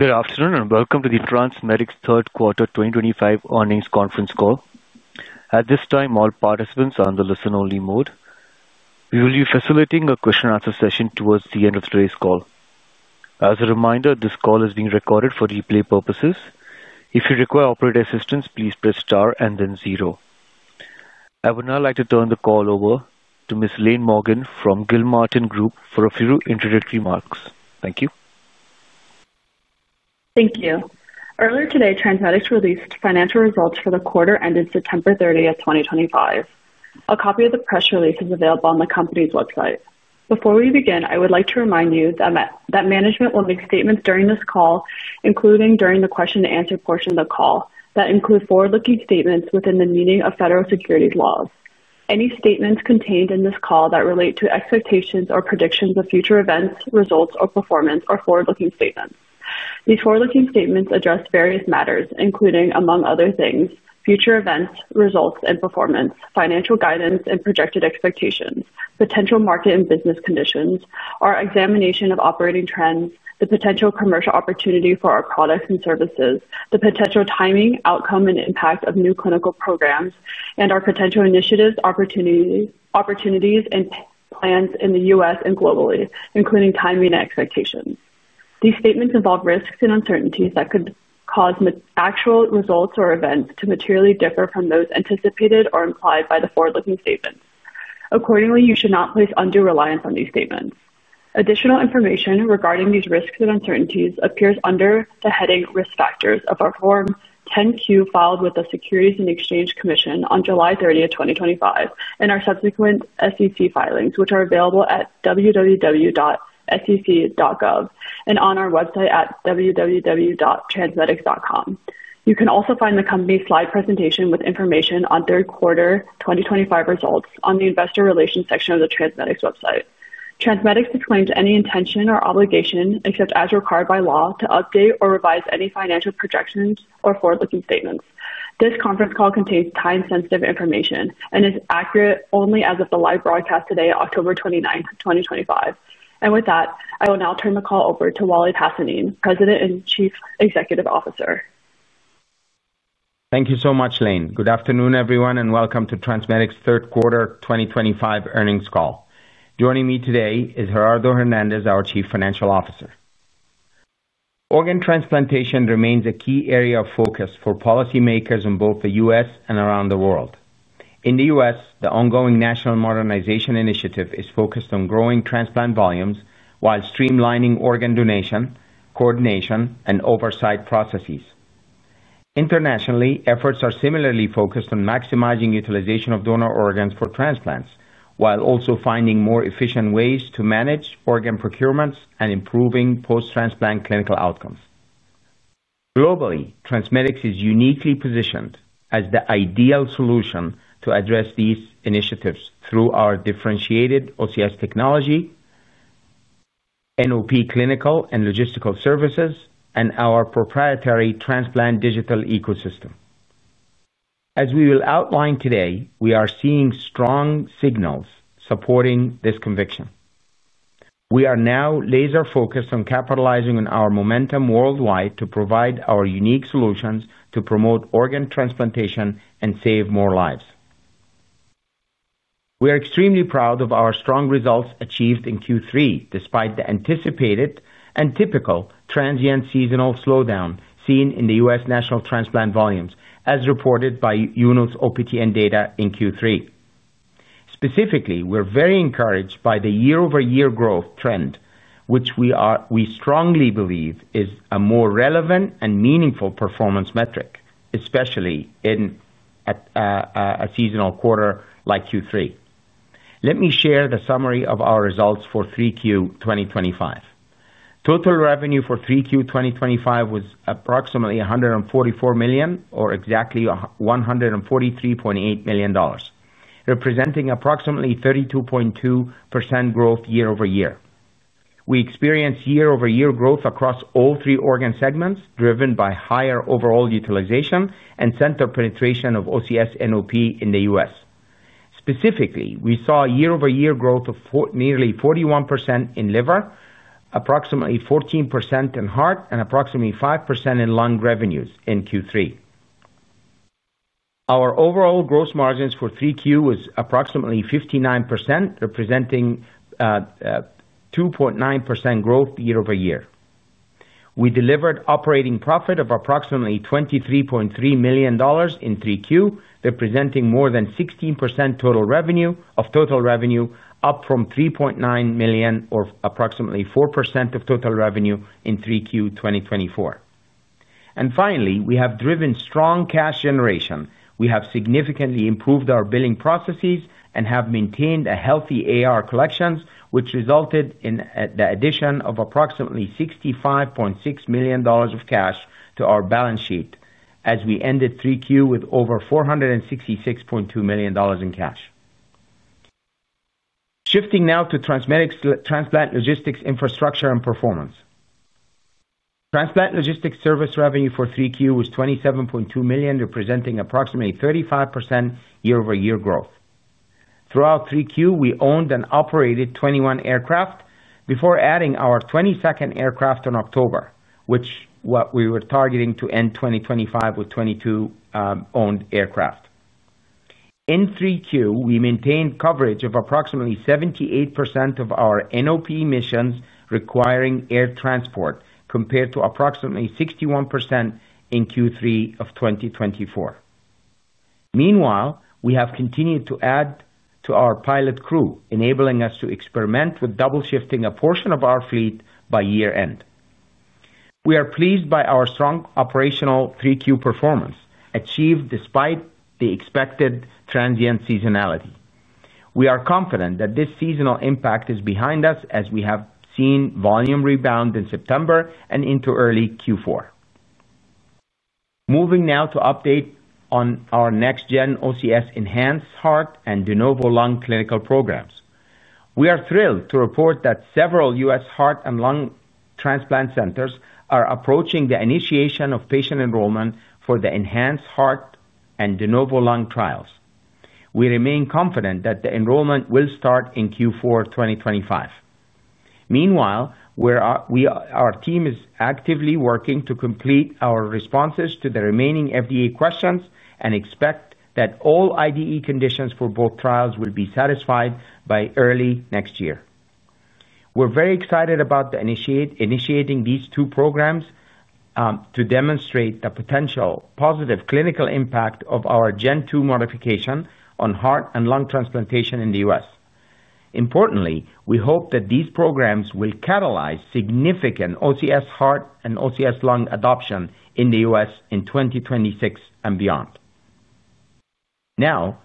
Good afternoon and welcome to the TransMedics third quarter 2025 earnings conference call. At this time, all participants are in the listen-only mode. We will be facilitating a question-and-answer session towards the end of today's call. As a reminder, this call is being recorded for replay purposes. If you require operator assistance, please press star and then zero. I would now like to turn the call over to Ms. Lynn Lewis from Gilmartin Group for a few introductory remarks. Thank you. Thank you. Earlier today, TransMedics released financial results for the quarter ended September 30, 2025. A copy of the press release is available on the company's website. Before we begin, I would like to remind you that management will make statements during this call, including during the question-and-answer portion of the call, that include forward-looking statements within the meaning of federal securities laws. Any statements contained in this call that relate to expectations or predictions of future events, results, or performance are forward-looking statements. These forward-looking statements address various matters, including, among other things, future events, results, and performance, financial guidance and projected expectations, potential market and business conditions, our examination of operating trends, the potential commercial opportunity for our products and services, the potential timing, outcome, and impact of new clinical programs, and our potential initiatives, opportunities, and plans in the U.S. and globally, including timing and expectations. These statements involve risks and uncertainties that could cause actual results or events to materially differ from those anticipated or implied by the forward-looking statements. Accordingly, you should not place undue reliance on these statements. Additional information regarding these risks and uncertainties appears under the heading Risk Factors of our Form 10-Q filed with the Securities and Exchange Commission on July 30, 2025, and our subsequent SEC filings, which are available at www.sec.gov and on our website at www.transmedics.com. You can also find the company slide presentation with information on third quarter 2025 results on the Investor Relations section of the TransMedics website. TransMedics disclaims any intention or obligation, except as required by law, to update or revise any financial projections or forward-looking statements. This conference call contains time-sensitive information and is accurate only as of the live broadcast today, October 29, 2025. With that, I will now turn the call over to Waleed Hassanein, President and Chief Executive Officer. Thank you so much, Lynn. Good afternoon, everyone, and welcome to TransMedics' third quarter 2025 earnings call. Joining me today is Gerardo Hernandez, our Chief Financial Officer. Organ transplantation remains a key area of focus for policymakers in both the U.S. and around the world. In the U.S., the ongoing National Modernization Initiative is focused on growing transplant volumes while streamlining organ donation, coordination, and oversight processes. Internationally, efforts are similarly focused on maximizing utilization of donor organs for transplants, while also finding more efficient ways to manage organ procurements and improving post-transplant clinical outcomes. Globally, TransMedics is uniquely positioned as the ideal solution to address these initiatives through our differentiated OCS technology, NOP clinical and logistical services, and our proprietary transplant digital ecosystem. As we will outline today, we are seeing strong signals supporting this conviction. We are now laser-focused on capitalizing on our momentum worldwide to provide our unique solutions to promote organ transplantation and save more lives. We are extremely proud of our strong results achieved in Q3, despite the anticipated and typical transient seasonal slowdown seen in the U.S. national transplant volumes, as reported by UNOS OPTN data in Q3. Specifically, we're very encouraged by the year-over-year growth trend, which we strongly believe is a more relevant and meaningful performance metric, especially in a seasonal quarter like Q3. Let me share the summary of our results for Q3 2025. Total revenue for Q3 2025 was approximately $144 million, or exactly $143.8 million, representing approximately 32.2% growth year-over-year. We experienced year-over-year growth across all three organ segments, driven by higher overall utilization and center penetration of OCS NOP in the U.S. Specifically, we saw year-over-year growth of nearly 41% in liver, approximately 14% in heart, and approximately 5% in lung revenues in Q3. Our overall gross margin for Q3 was approximately 59%, representing 2.9% growth year-over-year. We delivered operating profit of approximately $23.3 million in Q3, representing more than 16% of total revenue, up from $3.9 million or approximately 4% of total revenue in Q3 2024. Finally, we have driven strong cash generation. We have significantly improved our billing processes and have maintained a healthy AR collection, which resulted in the addition of approximately $65.6 million of cash to our balance sheet, as we ended 3Q with over $466.2 million in cash. Shifting now to TransMedics' transplant logistics infrastructure and performance. Transplant logistics service revenue for 3Q was $27.2 million, representing approximately 35% year-over-year growth. Throughout 3Q, we owned and operated 21 aircraft before adding our 22nd aircraft in October, which we were targeting to end 2025 with 22 owned aircraft. In 3Q, we maintained coverage of approximately 78% of our National OCS Program missions requiring air transport, compared to approximately 61% in 3Q of 2024. Meanwhile, we have continued to add to our pilot crew, enabling us to experiment with double-shifting a portion of our fleet by year-end. We are pleased by our strong operational 3Q performance, achieved despite the expected transient seasonality. We are confident that this seasonal impact is behind us, as we have seen volume rebound in September and into early Q4. Moving now to update on our next-gen OCS Enhanced Heart and De Novo Lung clinical programs. We are thrilled to report that several U.S. heart and lung transplant centers are approaching the initiation of patient enrollment for the Enhanced Heart and De Novo Lung trials. We remain confident that the enrollment will start in Q4 2025. Meanwhile, our team is actively working to complete our responses to the remaining FDA questions and expect that all IDE conditions for both trials will be satisfied by early next year. We're very excited about initiating these two programs to demonstrate the potential positive clinical impact of our Gen2 modification on heart and lung transplantation in the U.S. Importantly, we hope that these programs will catalyze significant OCS heart and OCS lung adoption in the U.S. in 2026 and beyond. Now,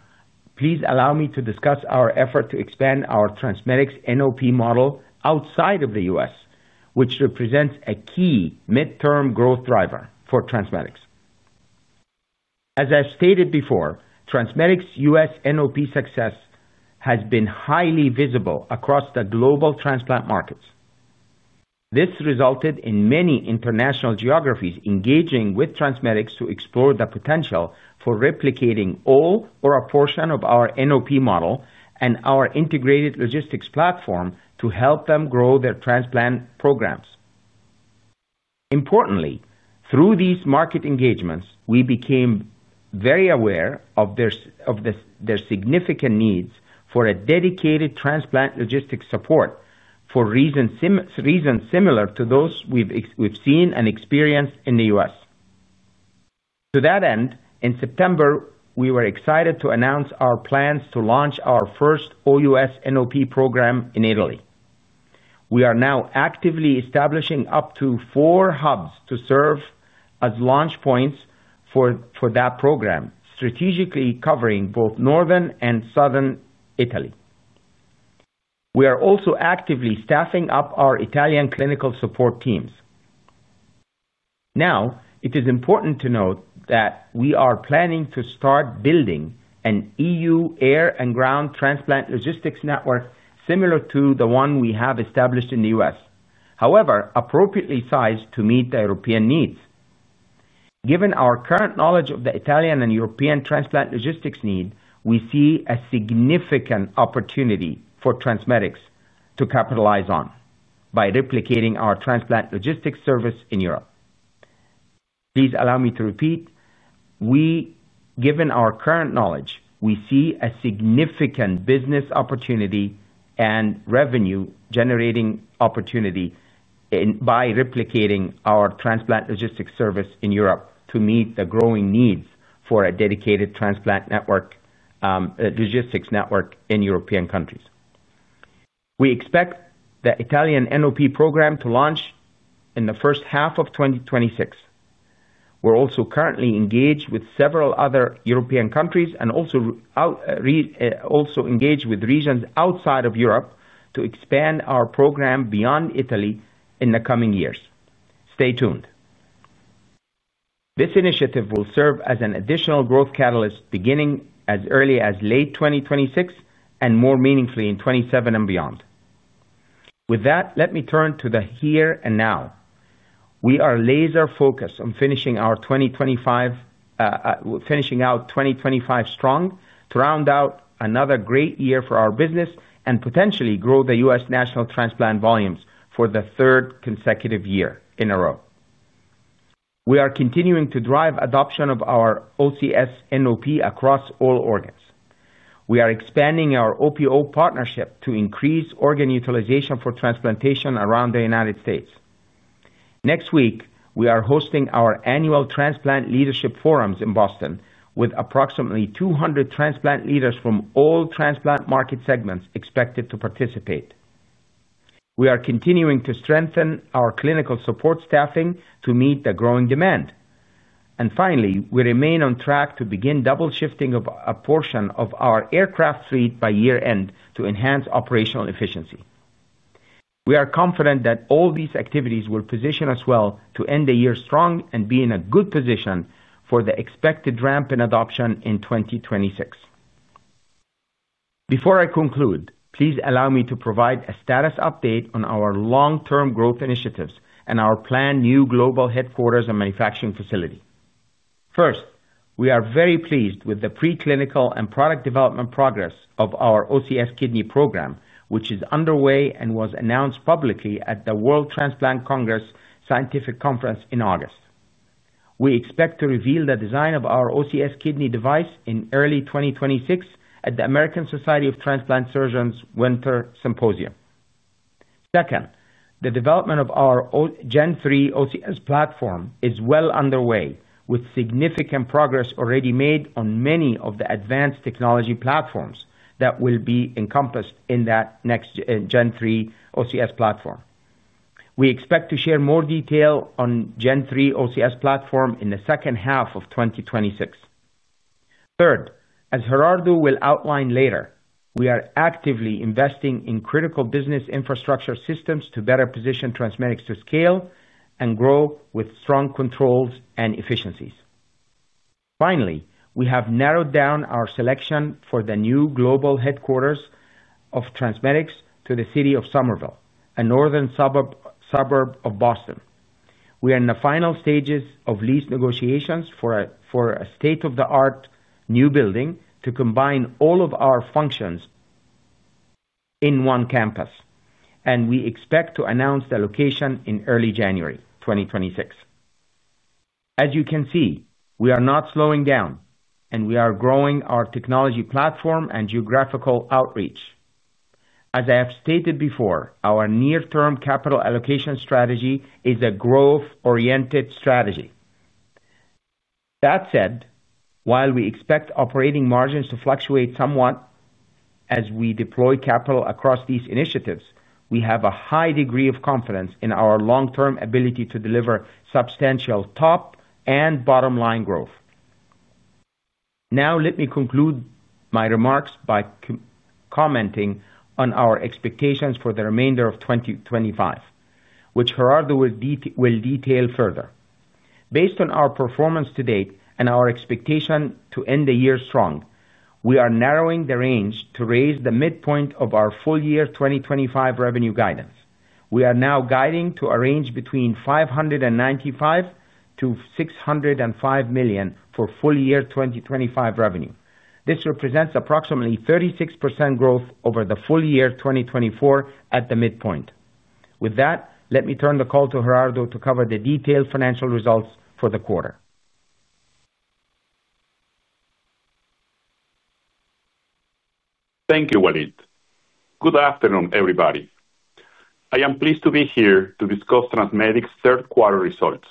please allow me to discuss our effort to expand our TransMedics National OCS Program model outside of the U.S., which represents a key midterm growth driver for TransMedics. As I've stated before, TransMedics' U.S. National OCS Program success has been highly visible across the global transplant markets. This resulted in many international geographies engaging with TransMedics to explore the potential for replicating all or a portion of our National OCS Program model and our integrated logistics platform to help them grow their transplant programs. Importantly, through these market engagements, we became very aware of their significant needs for a dedicated transplant logistics support for reasons similar to those we've seen and experienced in the U.S. To that end, in September, we were excited to announce our plans to launch our first ex-U.S. NOP program in Italy. We are now actively establishing up to four hubs to serve as launch points for that program, strategically covering both northern and southern Italy. We are also actively staffing up our Italian clinical support teams. It is important to note that we are planning to start building an EU air and ground transplant logistics network similar to the one we have established in the U.S., however, appropriately sized to meet the European needs. Given our current knowledge of the Italian and European transplant logistics need, we see a significant opportunity for TransMedics Group Inc. to capitalize on by replicating our transplant logistics service in Europe. Please allow me to repeat. Given our current knowledge, we see a significant business opportunity and revenue-generating opportunity by replicating our transplant logistics service in Europe to meet the growing needs for a dedicated transplant network, logistics network in European countries. We expect the Italian NOP program to launch in the first half of 2026. We're also currently engaged with several other European countries and also engaged with regions outside of Europe to expand our program beyond Italy in the coming years. Stay tuned. This initiative will serve as an additional growth catalyst beginning as early as late 2026 and more meaningfully in 2027 and beyond. With that, let me turn to the here and now. We are laser-focused on finishing out 2025 strong to round out another great year for our business and potentially grow the U.S. national transplant volumes for the third consecutive year in a row. We are continuing to drive adoption of our OCS NOP across all organs. We are expanding our OPO partnership to increase organ utilization for transplantation around the United States. Next week, we are hosting our annual Transplant Leadership Forums in Boston with approximately 200 transplant leaders from all transplant market segments expected to participate. We are continuing to strengthen our clinical support staffing to meet the growing demand. Finally, we remain on track to begin double-shifting a portion of our aircraft fleet by year-end to enhance operational efficiency. We are confident that all these activities will position us well to end the year strong and be in a good position for the expected ramp in adoption in 2026. Before I conclude, please allow me to provide a status update on our long-term growth initiatives and our planned new global headquarters and manufacturing facility. First, we are very pleased with the preclinical and product development progress of our OCS kidney program, which is underway and was announced publicly at the World Transplant Congress Scientific Conference in August. We expect to reveal the design of our OCS kidney device in early 2026 at the American Society of Transplant Surgeons' Winter Symposium. Second, the development of our Gen3 OCS platform is well underway, with significant progress already made on many of the advanced technology platforms that will be encompassed in that next Gen3 OCS platform. We expect to share more detail on the Gen3 OCS platform in the second half of 2026. Third, as Gerardo will outline later, we are actively investing in critical business infrastructure systems to better position TransMedics Group Inc. to scale and grow with strong controls and efficiencies. Finally, we have narrowed down our selection for the new global headquarters of TransMedics to the city of Somerville, a northern suburb of the Boston area. We are in the final stages of lease negotiations for a state-of-the-art new building to combine all of our functions in one campus, and we expect to announce the location in early January 2026. As you can see, we are not slowing down, and we are growing our technology platform and geographical outreach. As I have stated before, our near-term capital allocation strategy is a growth-oriented strategy. That said, while we expect operating margins to fluctuate somewhat as we deploy capital across these initiatives, we have a high degree of confidence in our long-term ability to deliver substantial top and bottom-line growth. Now, let me conclude my remarks by commenting on our expectations for the remainder of 2025, which Gerardo will detail further. Based on our performance to date and our expectation to end the year strong, we are narrowing the range to raise the midpoint of our full-year 2025 revenue guidance. We are now guiding to a range between $595 million-$605 million for full-year 2025 revenue. This represents approximately 36% growth over the full year 2024 at the midpoint. With that, let me turn the call to Gerardo to cover the detailed financial results for the quarter. Thank you, Waleed. Good afternoon, everybody. I am pleased to be here to discuss TransMedics' third quarter results.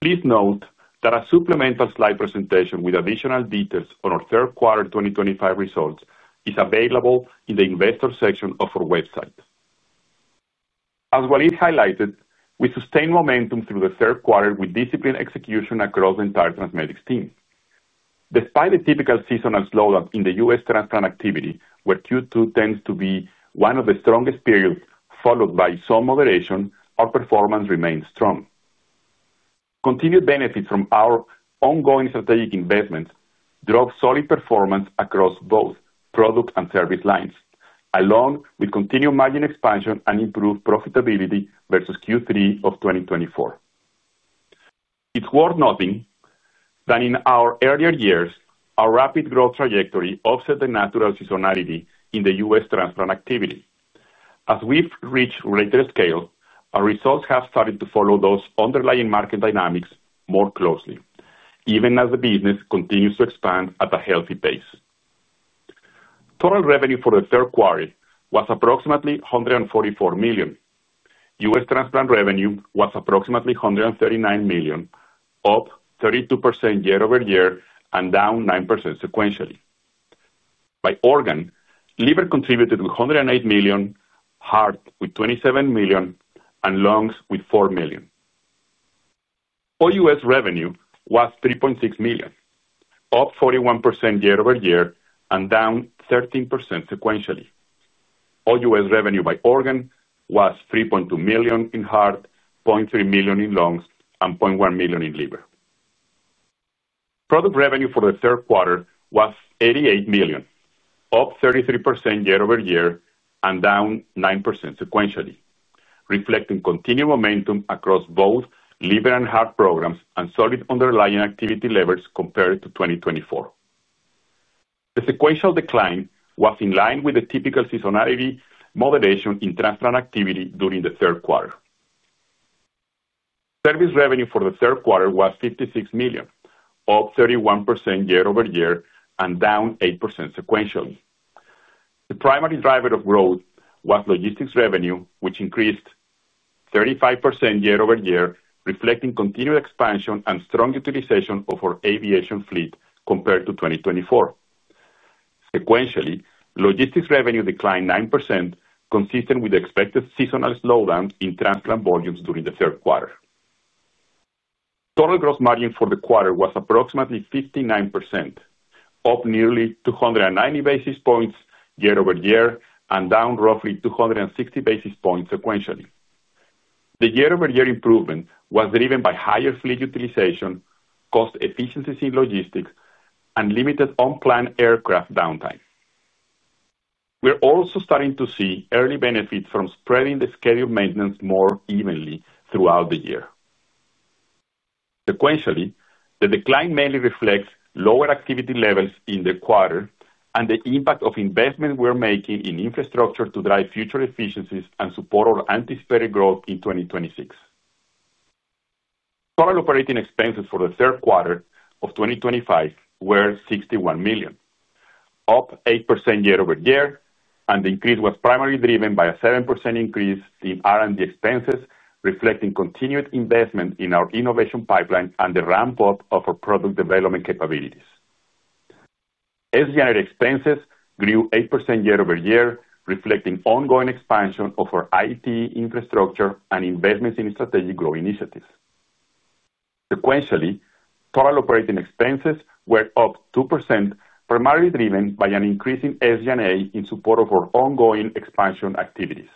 Please note that a supplemental slide presentation with additional details on our third quarter 2025 results is available in the Investor section of our website. As Waleed highlighted, we sustain momentum through the third quarter with disciplined execution across the entire TransMedics team. Despite the typical seasonal slowdown in U.S. transplant activity, where Q2 tends to be one of the strongest periods, followed by some moderation, our performance remains strong. Continued benefits from our ongoing strategic investments drive solid performance across both product and service lines, along with continued margin expansion and improved profitability versus Q3 of 2024. It's worth noting that in our earlier years, our rapid growth trajectory offset the natural seasonality in U.S. transplant activity. As we've reached greater scale, our results have started to follow those underlying market dynamics more closely, even as the business continues to expand at a healthy pace. Total revenue for the third quarter was approximately $144 million. U.S. transplant revenue was approximately $139 million, up 32% year-over-year and down 9% sequentially. By organ, liver contributed with $108 million, heart with $27 million, and lungs with $4 million. All U.S. revenue was $3.6 million, up 41% year-over-year and down 13% sequentially. All U.S. revenue by organ was $3.2 million in heart, $0.3 million in lungs, and $0.1 million in liver. Product revenue for the third quarter was $88 million, up 33% year-over-year and down 9% sequentially, reflecting continued momentum across both liver and heart programs and solid underlying activity levels compared to 2024. The sequential decline was in line with the typical seasonality moderation in transplant activity during the third quarter. Service revenue for the third quarter was $56 million, up 31% year-over-year and down 8% sequentially. The primary driver of growth was logistics revenue, which increased 35% year-over-year, reflecting continued expansion and strong utilization of our aviation fleet compared to 2024. Sequentially, logistics revenue declined 9%, consistent with the expected seasonal slowdown in transplant volumes during the third quarter. Total gross margin for the quarter was approximately 59%, up nearly 290 basis points year-over-year and down roughly 260 basis points sequentially. The year-over-year improvement was driven by higher fleet utilization, cost efficiencies in logistics, and limited unplanned aircraft downtime. We're also starting to see early benefits from spreading the scheduled maintenance more evenly throughout the year. Sequentially, the decline mainly reflects lower activity levels in the quarter and the impact of investments we're making in infrastructure to drive future efficiencies and support our anticipated growth in 2026. Total operating expenses for the third quarter of 2025 were $61 million, up 8% year-over-year, and the increase was primarily driven by a 7% increase in R&D expenses, reflecting continued investment in our innovation pipeline and the ramp-up of our product development capabilities. SG&A expenses grew 8% year-over-year, reflecting ongoing expansion of our IT infrastructure and investments in strategic growth initiatives. Sequentially, total operating expenses were up 2%, primarily driven by an increase in SG&A in support of our ongoing expansion activities.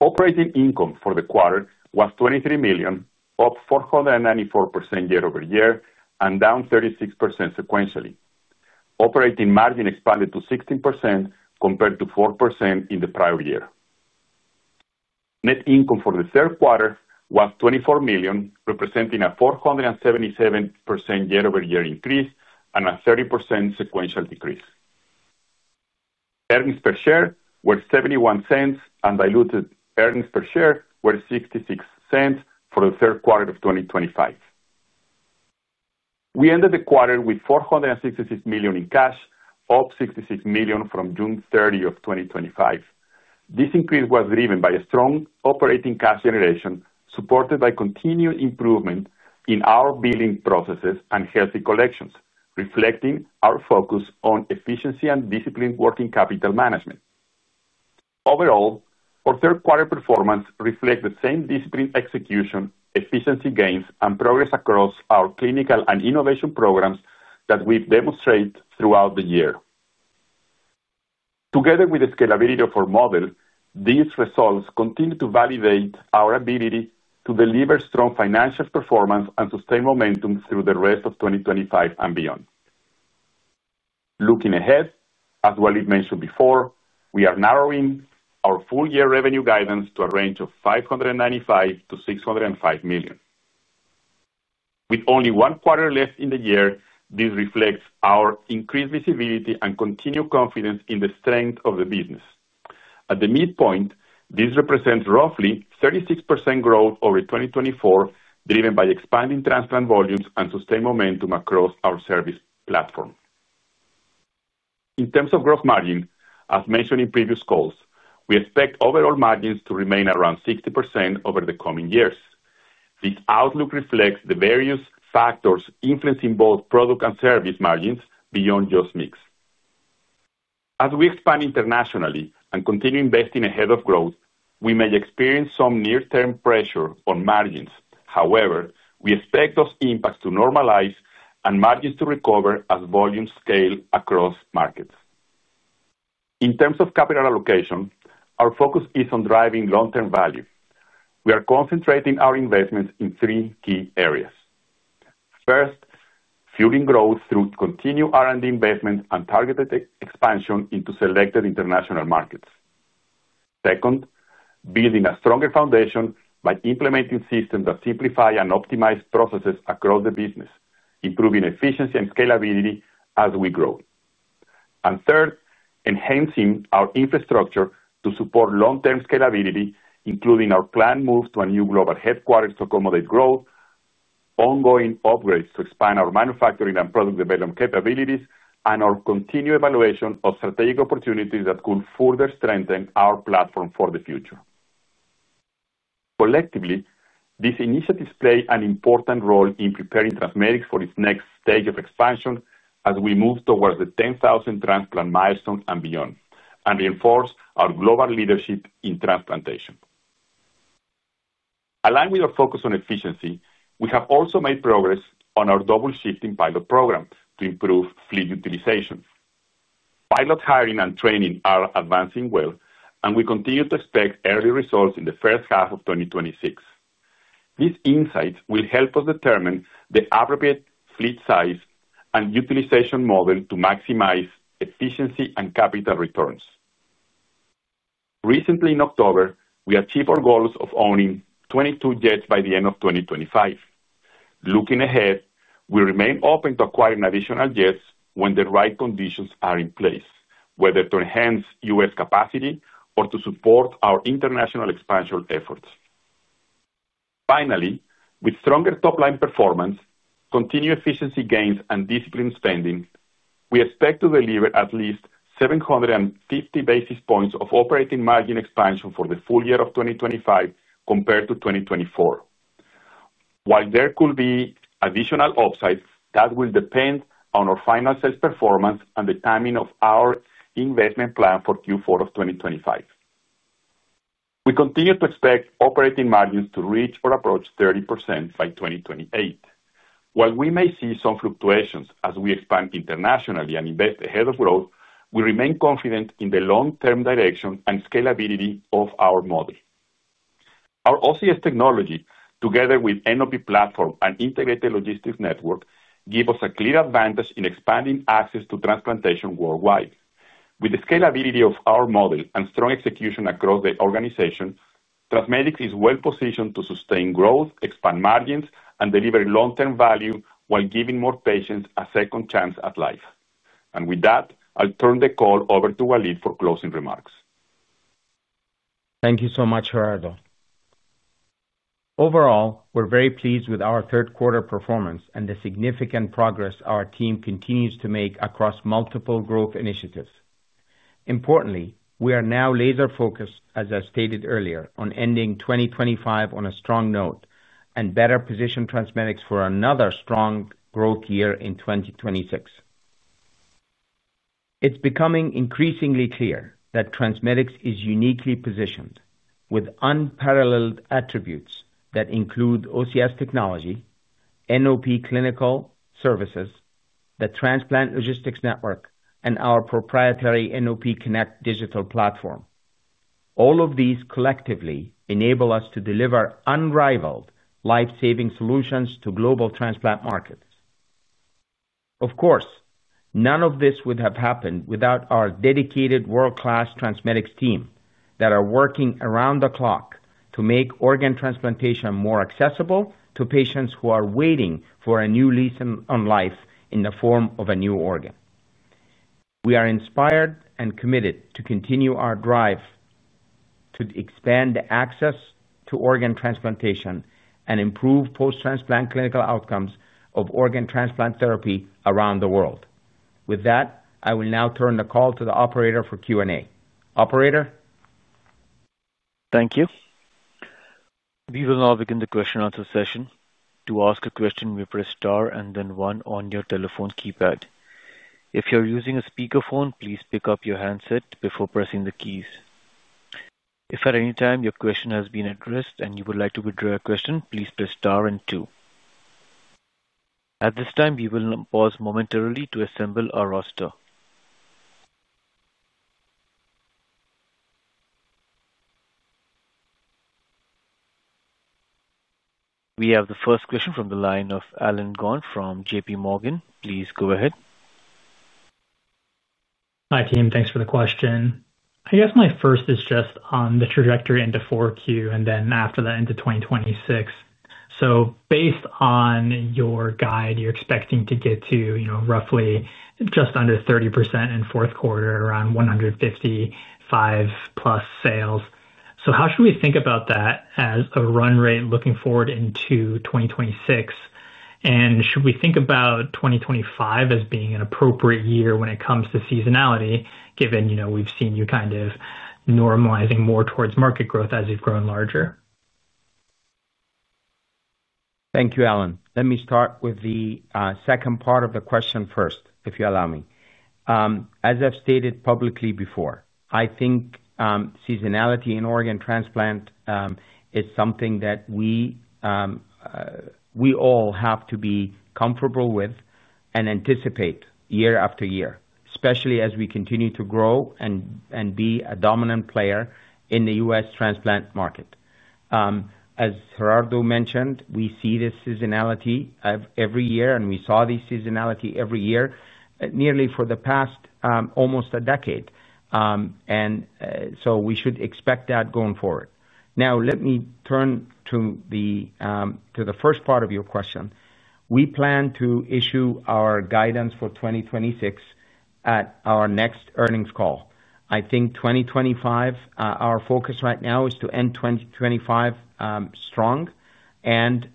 Operating income for the quarter was $23 million, up 494% year-over-year and down 36% sequentially. Operating margin expanded to 16% compared to 4% in the prior year. Net income for the third quarter was $24 million, representing a 477% year-over-year increase and a 30% sequential decrease. Earnings per share were $0.71 and diluted earnings per share were $0.66 for the third quarter of 2025. We ended the quarter with $466 million in cash, up $66 million from June 30 of 2025. This increase was driven by strong operating cash generation, supported by continued improvement in our billing processes and healthy collections, reflecting our focus on efficiency and disciplined working capital management. Overall, our third-quarter performance reflects the same disciplined execution, efficiency gains, and progress across our clinical and innovation programs that we've demonstrated throughout the year. Together with the scalability of our model, these results continue to validate our ability to deliver strong financial performance and sustain momentum through the rest of 2025 and beyond. Looking ahead, as Waleed mentioned before, we are narrowing our full-year revenue guidance to a range of $595 million-$605 million. With only one quarter left in the year, this reflects our increased visibility and continued confidence in the strength of the business. At the midpoint, this represents roughly 36% growth over 2024, driven by expanding transplant volumes and sustained momentum across our service platform. In terms of gross margin, as mentioned in previous calls, we expect overall margins to remain around 60% over the coming years. This outlook reflects the various factors influencing both product and service margins beyond just mix. As we expand internationally and continue investing ahead of growth, we may experience some near-term pressure on margins. However, we expect those impacts to normalize and margins to recover as volumes scale across markets. In terms of capital allocation, our focus is on driving long-term value. We are concentrating our investments in three key areas. First, fueling growth through continued R&D investments and targeted expansion into selected international markets. Second, building a stronger foundation by implementing systems that simplify and optimize processes across the business, improving efficiency and scalability as we grow. Third, enhancing our infrastructure to support long-term scalability, including our planned move to a new global headquarters to accommodate growth, ongoing upgrades to expand our manufacturing and product development capabilities, and our continued evaluation of strategic opportunities that could further strengthen our platform for the future. Collectively, these initiatives play an important role in preparing TransMedics for its next stage of expansion as we move towards the 10,000 transplant milestone and beyond, and reinforce our global leadership in transplantation. Aligned with our focus on efficiency, we have also made progress on our double-shifting pilot program to improve fleet utilization. Pilot hiring and training are advancing well, and we continue to expect early results in the first half of 2026. These insights will help us determine the appropriate fleet size and utilization model to maximize efficiency and capital returns. Recently, in October, we achieved our goals of owning 22 jets by the end of 2025. Looking ahead, we remain open to acquiring additional jets when the right conditions are in place, whether to enhance US capacity or to support our international expansion efforts. Finally, with stronger top-line performance, continued efficiency gains, and disciplined spending, we expect to deliver at least 750 basis points of operating margin expansion for the full year of 2025 compared to 2024. While there could be additional upsides, that will depend on our final sales performance and the timing of our investment plan for Q4 of 2025. We continue to expect operating margins to reach or approach 30% by 2028. We may see some fluctuations as we expand internationally and invest ahead of growth, but we remain confident in the long-term direction and scalability of our model. Our OCS technology, together with the National OCS Program platform and integrated logistics network, give us a clear advantage in expanding access to transplantation worldwide. With the scalability of our model and strong execution across the organization, TransMedics is well-positioned to sustain growth, expand margins, and deliver long-term value while giving more patients a second chance at life. I'll turn the call over to Waleed for closing remarks. Thank you so much, Gerardo. Overall, we're very pleased with our third-quarter performance and the significant progress our team continues to make across multiple growth initiatives. Importantly, we are now laser-focused, as I stated earlier, on ending 2025 on a strong note and better position TransMedics for another strong growth year in 2026. It's becoming increasingly clear that TransMedics is uniquely positioned with unparalleled attributes that include OCS technology, NOP clinical services, the transplant logistics network, and our proprietary NOP Connect digital platform. All of these collectively enable us to deliver unrivaled life-saving solutions to global transplant markets. Of course, none of this would have happened without our dedicated world-class TransMedics team that are working around the clock to make organ transplantation more accessible to patients who are waiting for a new lease on life in the form of a new organ. We are inspired and committed to continue our drive to expand the access to organ transplantation and improve post-transplant clinical outcomes of organ transplant therapy around the world. With that, I will now turn the call to the operator for Q&A. Operator? Thank you. We will now begin the question-answer session. To ask a question, please press star and then one on your telephone keypad. If you're using a speakerphone, please pick up your handset before pressing the keys. If at any time your question has been addressed and you would like to withdraw a question, please press star and two. At this time, we will pause momentarily to assemble our roster. We have the first question from the line of Allen Gong from JPMorgan. Please go ahead. Hi, team. Thanks for the question. My first is just on the trajectory into 4Q and then after that into 2026. Based on your guide, you're expecting to get to roughly just under 30% in fourth quarter, around $155 million+ sales. How should we think about that as a run rate looking forward into 2026? Should we think about 2025 as being an appropriate year when it comes to seasonality, given we've seen you kind of normalizing more towards market growth as you've grown larger? Thank you, Allen. Let me start with the second part of the question first, if you allow me. As I've stated publicly before, I think seasonality in organ transplant is something that we all have to be comfortable with and anticipate year after year, especially as we continue to grow and be a dominant player in the U.S. transplant market. As Gerardo mentioned, we see this seasonality every year, and we saw this seasonality every year nearly for the past almost a decade. We should expect that going forward. Now, let me turn to the first part of your question. We plan to issue our guidance for 2026 at our next earnings call. I think 2025, our focus right now is to end 2025 strong and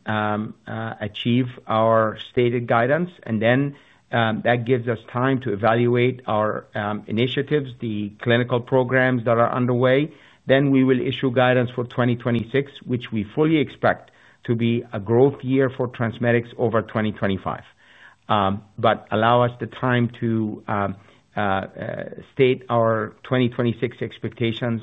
achieve our stated guidance. That gives us time to evaluate our initiatives, the clinical programs that are underway. We will issue guidance for 2026, which we fully expect to be a growth year for TransMedics over 2025. Allow us the time to state our 2026 expectations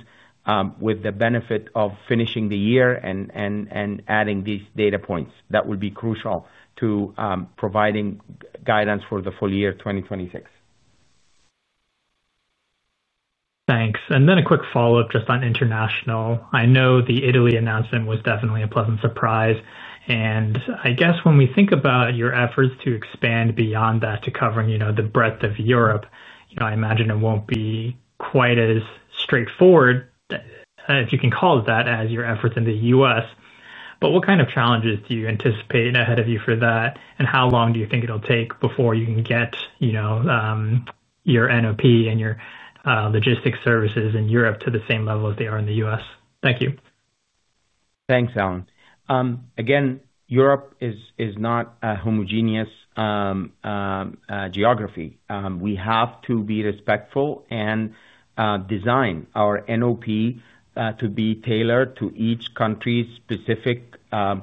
with the benefit of finishing the year and adding these data points. That will be crucial to providing guidance for the full year 2026. Thanks. A quick follow-up just on international. I know the Italy announcement was definitely a pleasant surprise. When we think about your efforts to expand beyond that to covering the breadth of Europe, I imagine it won't be quite as straightforward, if you can call it that, as your efforts in the U.S. What kind of challenges do you anticipate ahead of you for that? How long do you think it'll take before you can get your National OCS Program and your logistics services in Europe to the same level as they are in the U.S.? Thank you. Thanks, Allen. Again, Europe is not a homogeneous geography. We have to be respectful and design our National OCS Program to be tailored to each country's specific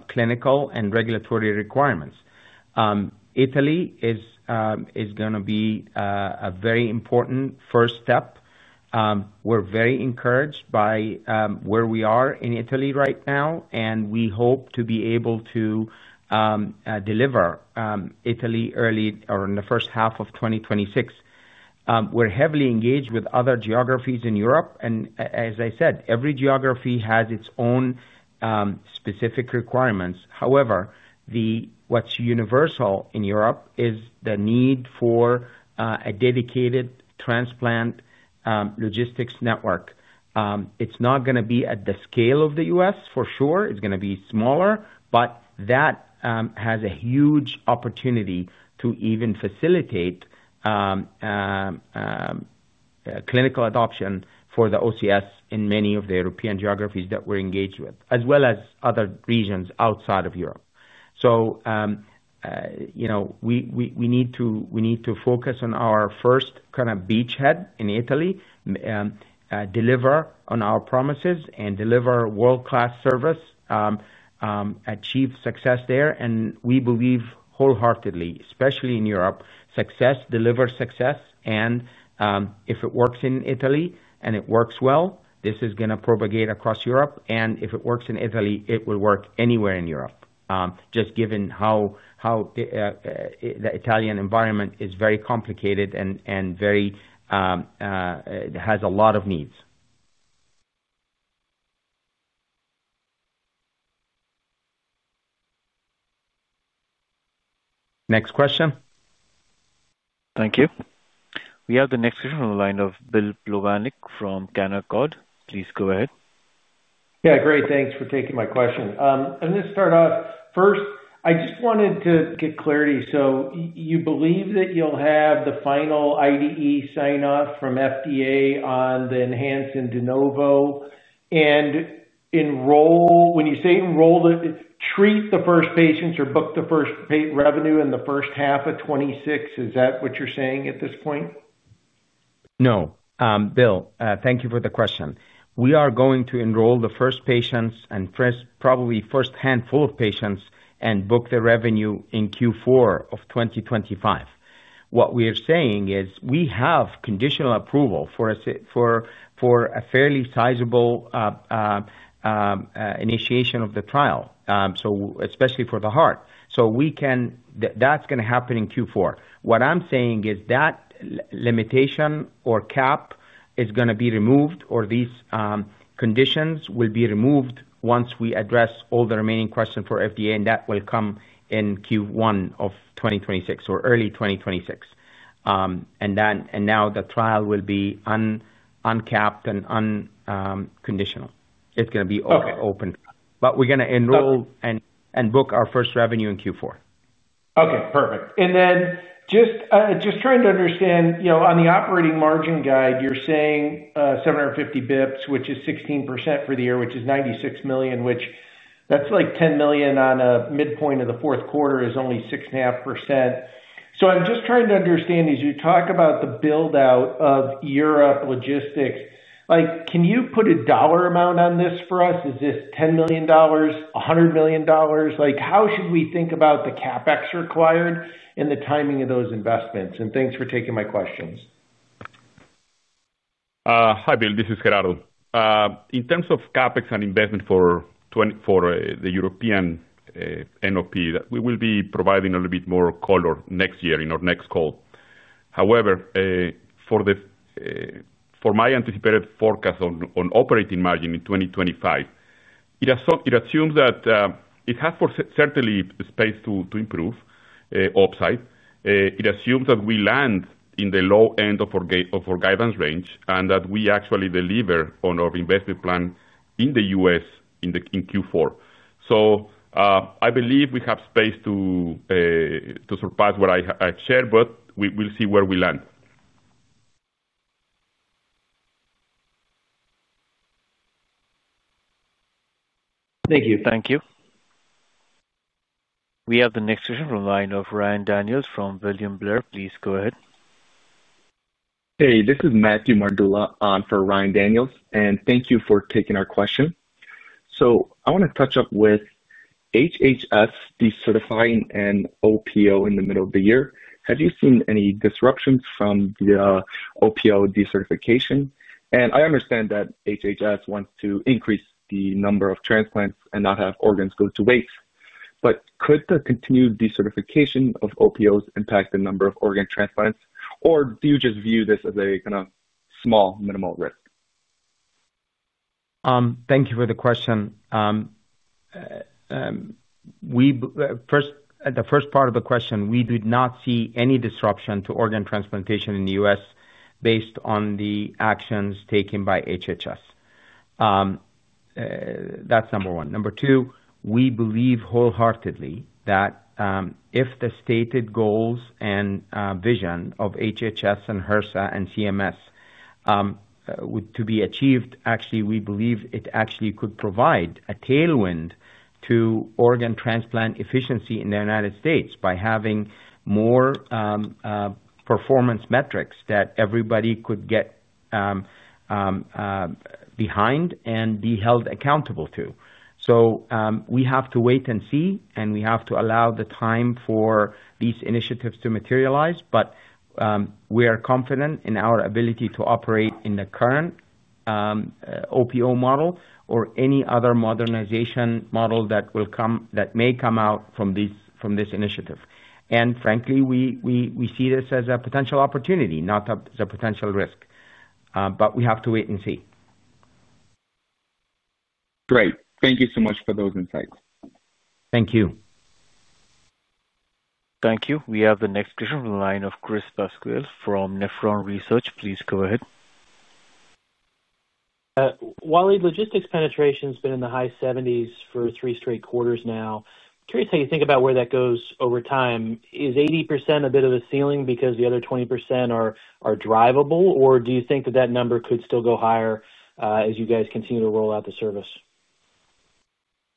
clinical and regulatory requirements. Italy is going to be a very important first step. We're very encouraged by where we are in Italy right now, and we hope to be able to deliver Italy early or in the first half of 2026. We're heavily engaged with other geographies in Europe. Every geography has its own specific requirements. However, what's universal in Europe is the need for a dedicated transplant logistics network. It's not going to be at the scale of the U.S., for sure. It's going to be smaller, but that has a huge opportunity to even facilitate clinical adoption for the OCS in many of the European geographies that we're engaged with, as well as other regions outside of Europe. We need to focus on our first kind of beachhead in Italy, deliver on our promises, and deliver world-class service, achieve success there. We believe wholeheartedly, especially in Europe, success delivers success. If it works in Italy and it works well, this is going to propagate across Europe. If it works in Italy, it will work anywhere in Europe, just given how the Italian environment is very complicated and has a lot of needs. Next question. Thank you. We have the next question from the line of Bill Plovanic from Canaccord. Please go ahead. Yeah, great. Thanks for taking my question. I'm going to start off. First, I just wanted to get clarity. You believe that you'll have the final IDE sign-off from FDA on the Enhanced and De Novo. When you say enroll, it's treat the first patients or book the first revenue in the first half of 2026. Is that what you're saying at this point? No, Bill, thank you for the question. We are going to enroll the first patients and probably the first handful of patients and book the revenue in Q4 of 2025. What we are saying is we have conditional approval for a fairly sizable initiation of the trial, especially for the heart. That is going to happen in Q4. What I'm saying is that limitation or cap is going to be removed or these conditions will be removed once we address all the remaining questions for FDA, and that will come in Q1 of 2026 or early 2026. The trial will be uncapped and unconditional. It's going to be open. We are going to enroll and book our first revenue in Q4. Okay, perfect. Just trying to understand, you know, on the operating margin guide, you're saying 750 bps, which is 16% for the year, which is $96 million, which that's like $10 million on a midpoint of the fourth quarter is only 6.5%. I'm just trying to understand, as you talk about the build-out of Europe logistics, can you put a dollar amount on this for us? Is this $10 million, $100 million? How should we think about the CapEx required and the timing of those investments? Thanks for taking my questions. Hi, Bill. This is Gerardo. In terms of CapEx and investment for the European NOP, we will be providing a little bit more color next year in our next call. However, for my anticipated forecast on operating margin in 2025, it assumes that it has certainly space to improve upside. It assumes that we land in the low end of our guidance range and that we actually deliver on our investment plan in the US in Q4. I believe we have space to surpass what I shared, but we will see where we land. Thank you. Thank you. We have the next question from the line of Ryan Daniels from William Blair. Please go ahead. Hey, this is Matthew Mardula for Ryan Daniels, and thank you for taking our question. I want to touch up with HHS decertifying an OPO in the middle of the year. Have you seen any disruptions from the OPO decertification? I understand that HHS wants to increase the number of transplants and not have organs go to waste. Could the continued decertification of OPOs impact the number of organ transplants, or do you just view this as a kind of small minimal risk? Thank you for the question. At the first part of the question, we did not see any disruption to organ transplantation in the U.S. based on the actions taken by HHS. That's number one. Number two, we believe wholeheartedly that if the stated goals and vision of HHS and HRSA and CMS were to be achieved, actually, we believe it actually could provide a tailwind to organ transplant efficiency in the United States by having more performance metrics that everybody could get behind and be held accountable to. We have to wait and see, and we have to allow the time for these initiatives to materialize. We are confident in our ability to operate in the current OPO model or any other modernization model that may come out from this initiative. Frankly, we see this as a potential opportunity, not as a potential risk. We have to wait and see. Great. Thank you so much for those insights. Thank you. Thank you. We have the next question from the line of Chris Pasquale from Nephron Research. Please go ahead. Waleed, logistics penetration has been in the high 70% for three straight quarters now. Curious how you think about where that goes over time. Is 80% a bit of a ceiling because the other 20% are drivable, or do you think that that number could still go higher as you guys continue to roll out the service?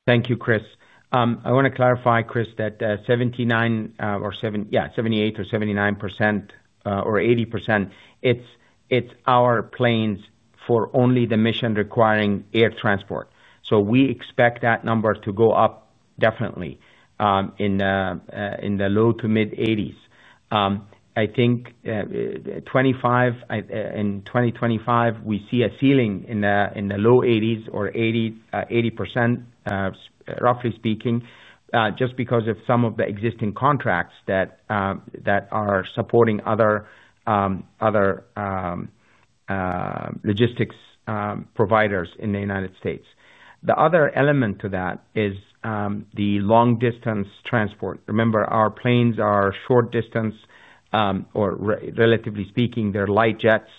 Thank you, Chris. I want to clarify, Chris, that 79% or 70%, yeah, 78% or 79% or 80%, it's our planes for only the mission requiring air transport. We expect that number to go up definitely in the low to mid 80s. I think in 2025, we see a ceiling in the low 80s or 80%, roughly speaking, just because of some of the existing contracts that are supporting other logistics providers in the U.S. The other element to that is the long-distance transport. Remember, our planes are short distance, or relatively speaking, they're light jets.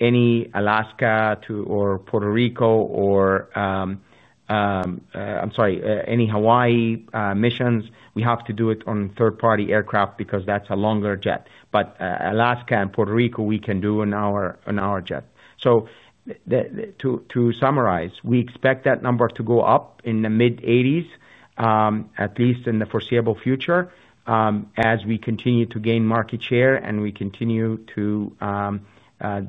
Any Alaska to or Puerto Rico or, I'm sorry, any Hawaii missions, we have to do it on third-party aircraft because that's a longer jet. Alaska and Puerto Rico, we can do on our jet. To summarize, we expect that number to go up in the mid 80s, at least in the foreseeable future, as we continue to gain market share and we continue to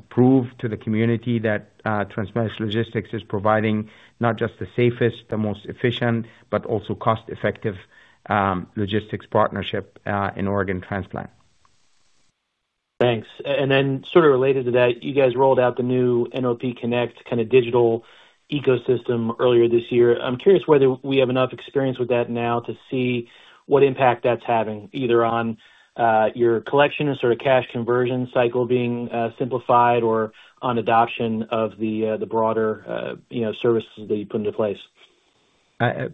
prove to the community that TransMedics Logistics is providing not just the safest, the most efficient, but also cost-effective logistics partnership in organ transplant. Thanks. You guys rolled out the new NOP Connect kind of digital ecosystem earlier this year. I'm curious whether we have enough experience with that now to see what impact that's having either on your collection and cash conversion cycle being simplified or on adoption of the broader services that you put into place.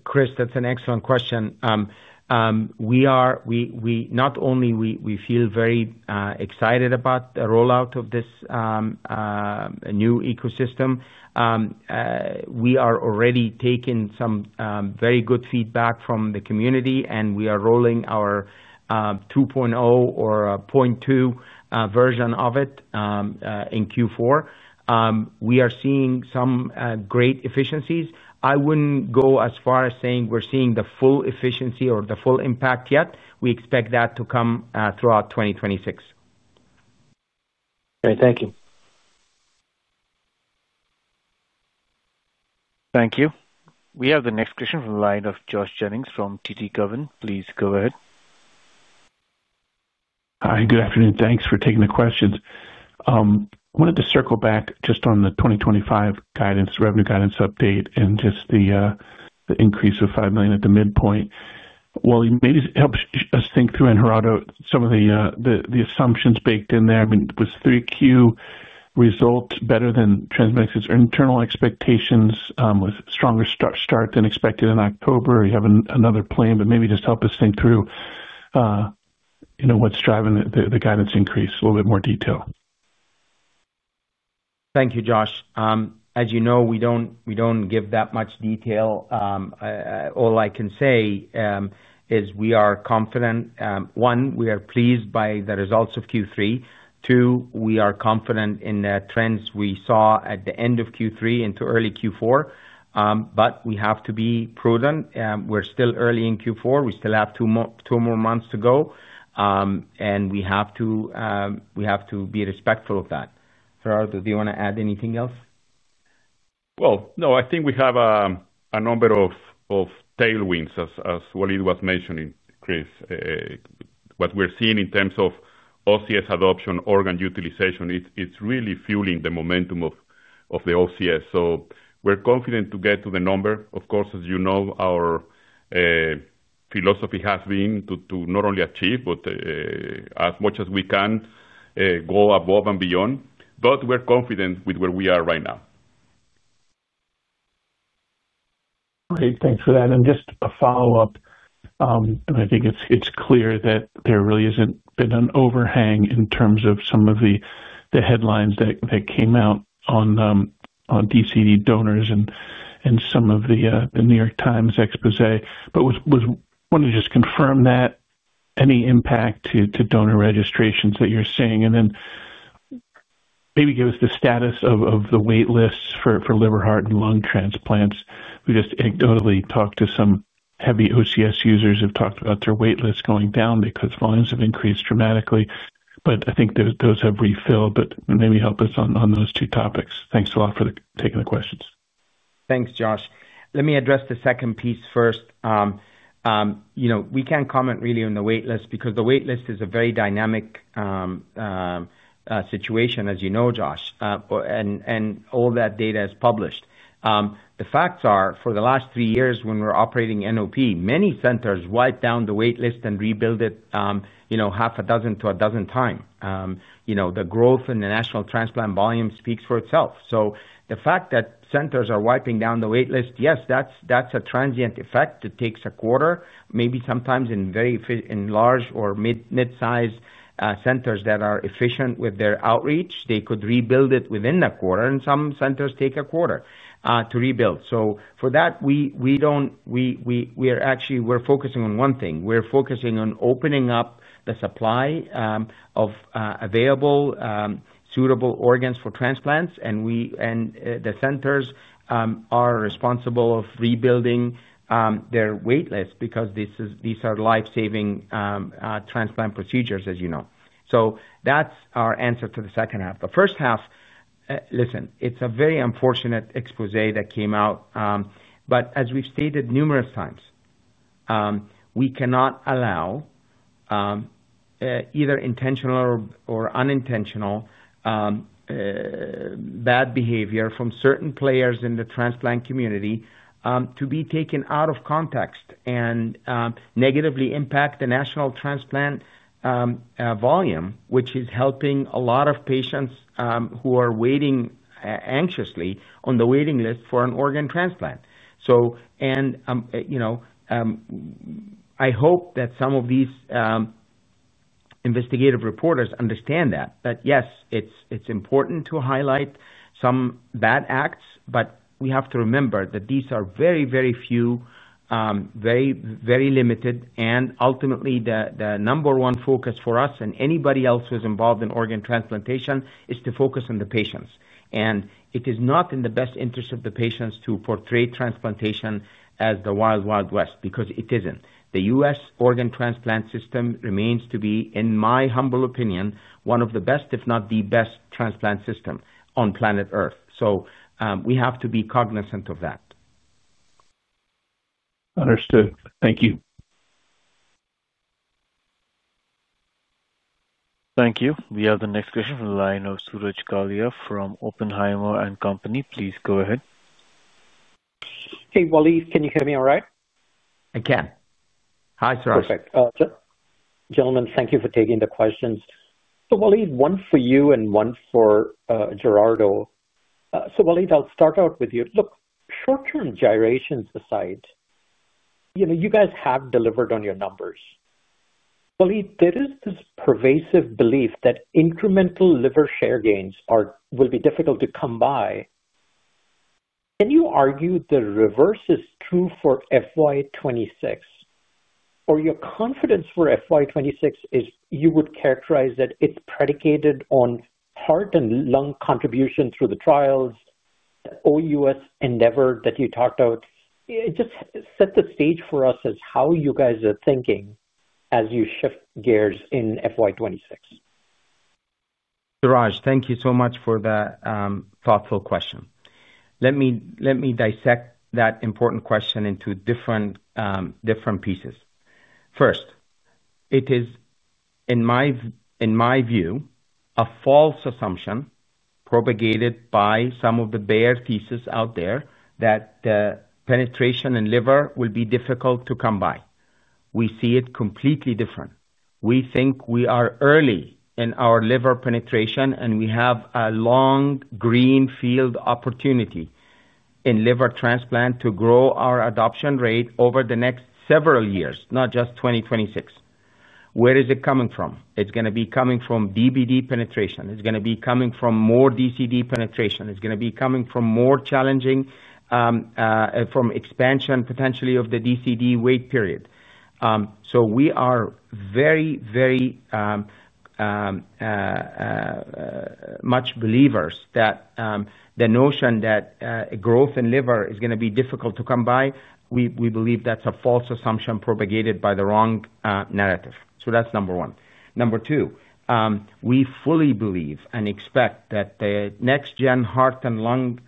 Chris, that's an excellent question. We not only feel very excited about the rollout of this new ecosystem, we are already taking some very good feedback from the community, and we are rolling our 2.0 or a 0.2 version of it in Q4. We are seeing some great efficiencies. I wouldn't go as far as saying we're seeing the full efficiency or the full impact yet. We expect that to come throughout 2026. Great. Thank you. Thank you. We have the next question from the line of Josh Jennings from TD Cowen. Please go ahead. Hi, good afternoon. Thanks for taking the questions. I wanted to circle back just on the 2025 revenue guidance update and just the increase of $5 million at the midpoint. Waleed, maybe help us think through and Gerardo some of the assumptions baked in there. I mean, was 3Q results better than TransMedics Group Inc.'s internal expectations? Was a stronger start than expected in October? Or you have another plan, but maybe just help us think through what's driving the guidance increase a little bit more detail. Thank you, Josh. As you know, we don't give that much detail. All I can say is we are confident, one, we are pleased by the results of Q3. Two, we are confident in the trends we saw at the end of Q3 into early Q4. We have to be prudent. We're still early in Q4. We still have two more months to go. We have to be respectful of that. Gerardo, do you want to add anything else? I think we have a number of tailwinds, as Waleed was mentioning, Chris. What we're seeing in terms of OCS adoption, organ utilization, it's really fueling the momentum of the OCS. We're confident to get to the number. Of course, as you know, our philosophy has been to not only achieve, but as much as we can go above and beyond. We're confident with where we are right now. Great. Thanks for that. Just a follow-up. I think it's clear that there really hasn't been an overhang in terms of some of the headlines that came out on DCD donors and some of the New York Times expose. I want to just confirm that any impact to donor registrations that you're seeing? Maybe give us the status of the wait lists for liver, heart, and lung transplants. We just anecdotally talked to some heavy OCS users who've talked about their wait lists going down because volumes have increased dramatically. I think those have refilled. Maybe help us on those two topics. Thanks a lot for taking the questions. Thanks, Josh. Let me address the second piece first. We can't comment really on the wait list because the wait list is a very dynamic situation, as you know, Josh. All that data is published. The facts are, for the last three years, when we're operating NOP, many centers wiped down the wait list and rebuilt it, half a dozen to a dozen times. The growth in the national transplant volume speaks for itself. The fact that centers are wiping down the wait list, yes, that's a transient effect that takes a quarter. Maybe sometimes in very large or mid-sized centers that are efficient with their outreach, they could rebuild it within that quarter. Some centers take a quarter to rebuild. For that, we are actually focusing on one thing. We're focusing on opening up the supply of available suitable organs for transplants. The centers are responsible for rebuilding their wait lists because these are life-saving transplant procedures, as you know. That's our answer to the second half. The first half, listen, it's a very unfortunate expose that came out. As we've stated numerous times, we cannot allow either intentional or unintentional bad behavior from certain players in the transplant community to be taken out of context and negatively impact the national transplant volume, which is helping a lot of patients who are waiting anxiously on the waiting list for an organ transplant. I hope that some of these investigative reporters understand that, that yes, it's important to highlight some bad acts, but we have to remember that these are very, very few, very, very limited, and ultimately, the number one focus for us and anybody else who is involved in organ transplantation is to focus on the patients. It is not in the best interest of the patients to portray transplantation as the wild, wild west because it isn't. The US organ transplant system remains to be, in my humble opinion, one of the best, if not the best, transplant system on planet Earth. We have to be cognizant of that. Understood. Thank you. Thank you. We have the next question from the line of Suraj Kalia from Oppenheimer & Company. Please go ahead. Hey, Waleed, can you hear me all right? I can. Hi, Suraj. Perfect. Gentlemen, thank you for taking the questions. Waleed, one for you and one for Gerardo. Waleed, I'll start out with you. Look, short-term gyrations aside, you know, you guys have delivered on your numbers. Waleed, there is this pervasive belief that incremental liver share gains will be difficult to come by. Can you argue the reverse is true for FY 2026? Or your confidence for FY 2026 is you would characterize that it's predicated on heart and lung contribution through the trials, the OUS endeavor that you talked about? Just set the stage for us as how you guys are thinking as you shift gears in FY 2026. Suraj, thank you so much for that thoughtful question. Let me dissect that important question into different pieces. First, it is, in my view, a false assumption propagated by some of the bear thesis out there that the penetration in liver will be difficult to come by. We see it completely different. We think we are early in our liver penetration, and we have a long green field opportunity in liver transplant to grow our adoption rate over the next several years, not just 2026. Where is it coming from? It's going to be coming from DBD penetration. It's going to be coming from more DCD penetration. It's going to be coming from more challenging expansion, potentially, of the DCD wait period. We are very, very much believers that the notion that growth in liver is going to be difficult to come by, we believe that's a false assumption propagated by the wrong narrative. That's number one. Number two, we fully believe and expect that the next-gen heart and lung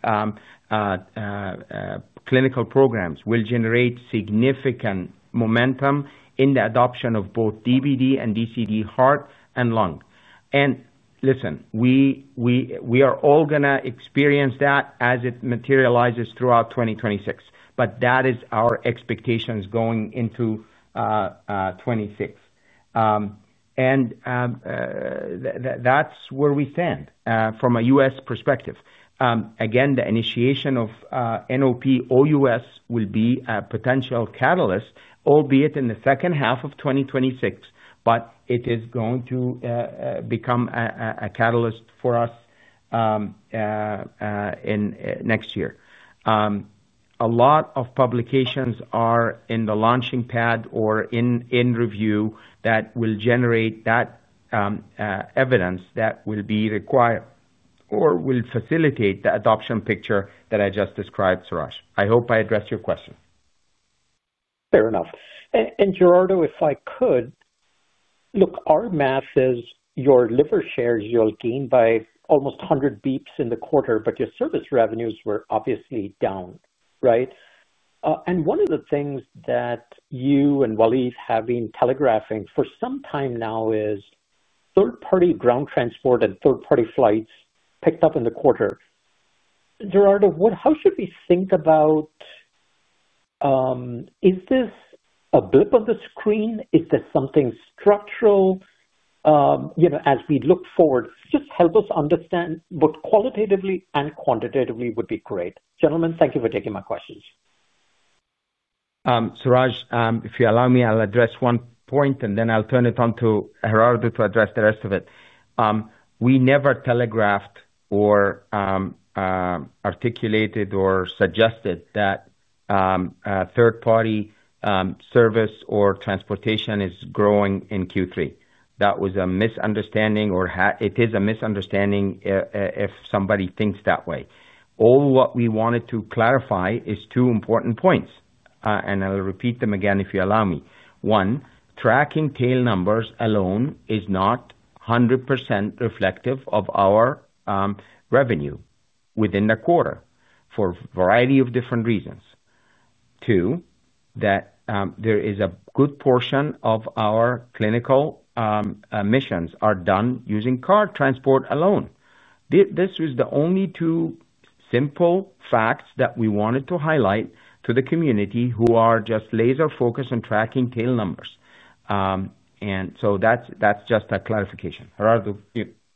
clinical programs will generate significant momentum in the adoption of both DBD and DCD heart and lung. We are all going to experience that as it materializes throughout 2026. That is our expectations going into 2026. That's where we stand from a U.S. perspective. Again, the initiation of NOP OUS will be a potential catalyst, albeit in the second half of 2026, but it is going to become a catalyst for us in next year. A lot of publications are in the launching pad or in review that will generate that evidence that will be required or will facilitate the adoption picture that I just described, Suraj. I hope I addressed your question. Fair enough. Gerardo, if I could, look, our math says your liver shares, you'll gain by almost 100 basis points in the quarter, but your service revenues were obviously down, right? One of the things that you and Waleed have been telegraphing for some time now is third-party ground transport and third-party flights picked up in the quarter. Gerardo, how should we think about, is this a blip on the screen? Is this something structural? As we look forward, just help us understand both qualitatively and quantitatively would be great. Gentlemen, thank you for taking my questions. Suraj, if you allow me, I'll address one point, and then I'll turn it on to Gerardo to address the rest of it. We never telegraphed or articulated or suggested that third-party service or transportation is growing in Q3. That was a misunderstanding, or it is a misunderstanding if somebody thinks that way. All what we wanted to clariFY 20 is two important points, and I'll repeat them again if you allow me. One, tracking tail numbers alone is not 100% reflective of our revenue within the quarter for a variety of different reasons. Two, that there is a good portion of our clinical missions that are done using car transport alone. These were the only two simple facts that we wanted to highlight to the community who are just laser-focused on tracking tail numbers. That's just a clarification. Gerardo,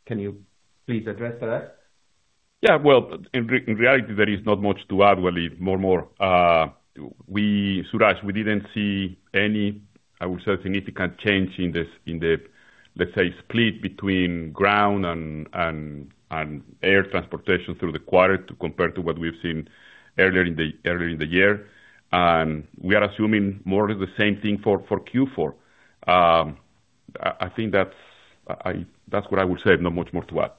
can you please address that? In reality, there is not much to add, Waleed. More and more. Suraj, we didn't see any, I would say, significant change in this, in the split between ground and air transportation through the quarter compared to what we've seen earlier in the year. We are assuming more of the same thing for Q4. I think that's what I would say, not much more to add.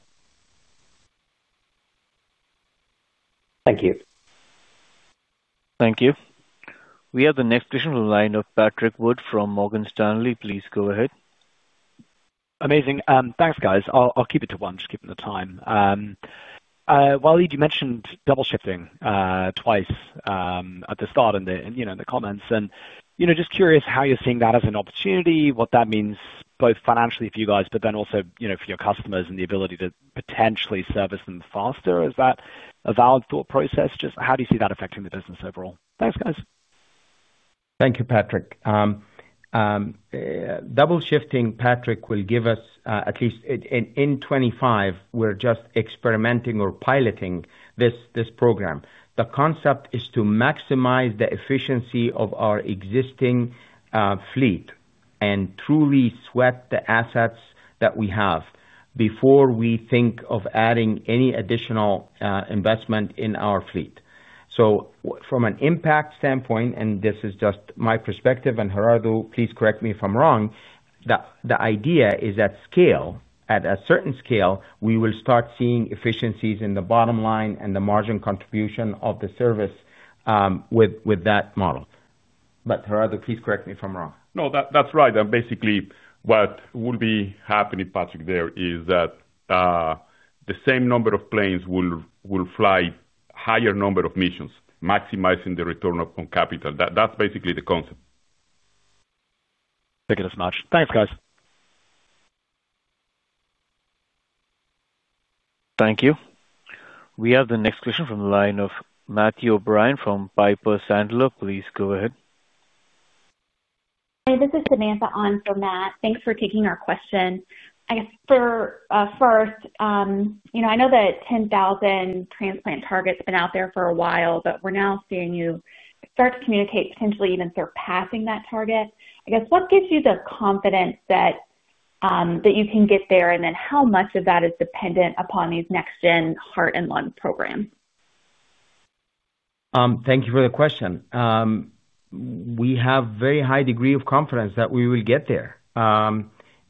Thank you. Thank you. We have the next question from the line of Patrick Wood from Morgan Stanley. Please go ahead. Amazing. Thanks, guys. I'll keep it to one, just given the time. Waleed, you mentioned double shifting twice at the start in the comments. I'm just curious how you're seeing that as an opportunity, what that means both financially for you guys, but also for your customers and the ability to potentially service them faster. Is that a valid thought process? How do you see that affecting the business overall? Thanks, guys. Thank you, Patrick. Double shifting, Patrick, will give us at least in 2025, we're just experimenting or piloting this program. The concept is to maximize the efficiency of our existing fleet and truly sweat the assets that we have before we think of adding any additional investment in our fleet. From an impact standpoint, and this is just my perspective, and Gerardo, please correct me if I'm wrong, the idea is at scale, at a certain scale, we will start seeing efficiencies in the bottom line and the margin contribution of the service with that model. Gerardo, please correct me if I'm wrong. No, that's right. Basically, what will be happening, Patrick, is that the same number of planes will fly a higher number of missions, maximizing the return on capital. That's basically the concept. Thank you very much. Thanks, guys. Thank you. We have the next question from the line of Matthew O'Brien from Piper Sandler. Please go ahead. Hi, this is Samantha on for Matt. Thanks for taking our question. I guess for first, you know, I know that 10,000 transplant targets have been out there for a while, but we're now seeing you start to communicate potentially even surpassing that target. I guess, what gives you the confidence that you can get there, and then how much of that is dependent upon these next-gen heart and lung programs? Thank you for the question. We have a very high degree of confidence that we will get there.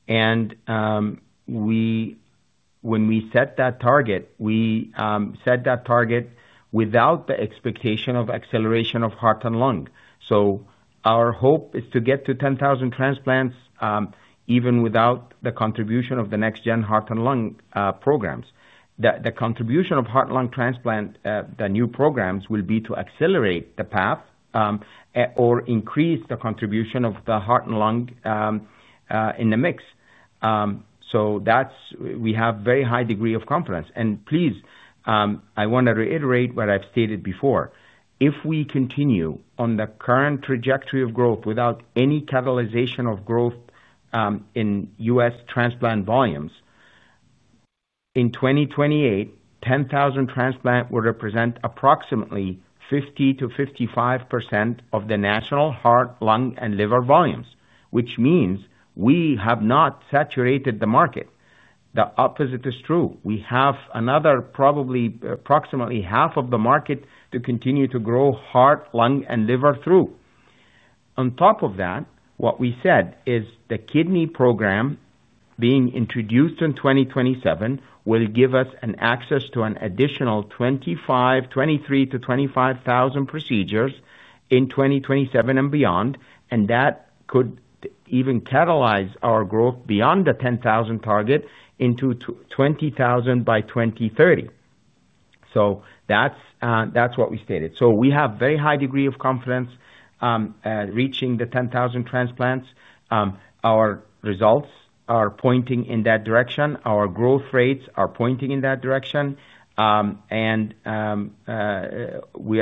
When we set that target, we set that target without the expectation of acceleration of heart and lung. Our hope is to get to 10,000 transplants even without the contribution of the next-gen heart and lung programs. The contribution of heart and lung transplant, the new programs, will be to accelerate the path or increase the contribution of the heart and lung in the mix. We have a very high degree of confidence. Please, I want to reiterate what I've stated before. If we continue on the current trajectory of growth without any catalyzation of growth in U.S. transplant volumes, in 2028, 10,000 transplants will represent approximately 50%-55% of the national heart, lung, and liver volumes, which means we have not saturated the market. The opposite is true. We have another, probably, approximately half of the market to continue to grow heart, lung, and liver through. On top of that, what we said is the kidney program being introduced in 2027 will give us access to an additional 23,000 to 25,000 procedures in 2027 and beyond. That could even catalyze our growth beyond the 10,000 target into 20,000 by 2030. That's what we stated. We have a very high degree of confidence reaching the 10,000 transplants. Our results are pointing in that direction. Our growth rates are pointing in that direction. We are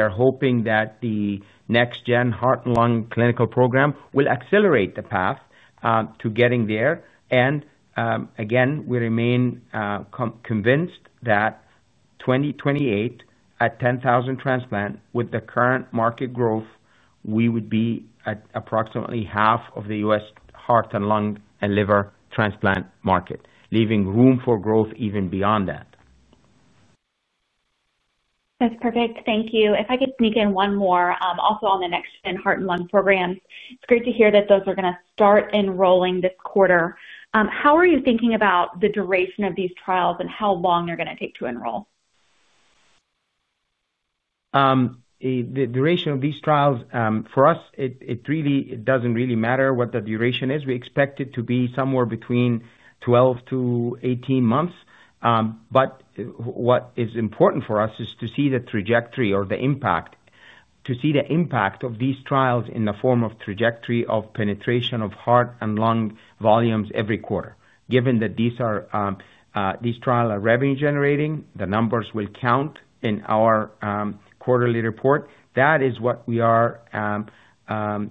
hoping that the next-gen heart and lung clinical program will accelerate the path to getting there. We remain convinced that in 2028, at 10,000 transplants, with the current market growth, we would be at approximately half of the U.S. heart and lung and liver transplant market, leaving room for growth even beyond that. That's perfect. Thank you. If I could sneak in one more, also on the next-gen heart and lung programs, it's great to hear that those are going to start enrolling this quarter. How are you thinking about the duration of these trials and how long they're going to take to enroll? The duration of these trials, for us, it really doesn't matter what the duration is. We expect it to be somewhere between 12 to 18 months. What is important for us is to see the trajectory or the impact, to see the impact of these trials in the form of trajectory of penetration of heart and lung volumes every quarter. Given that these trials are revenue-generating, the numbers will count in our quarterly report. That is what we are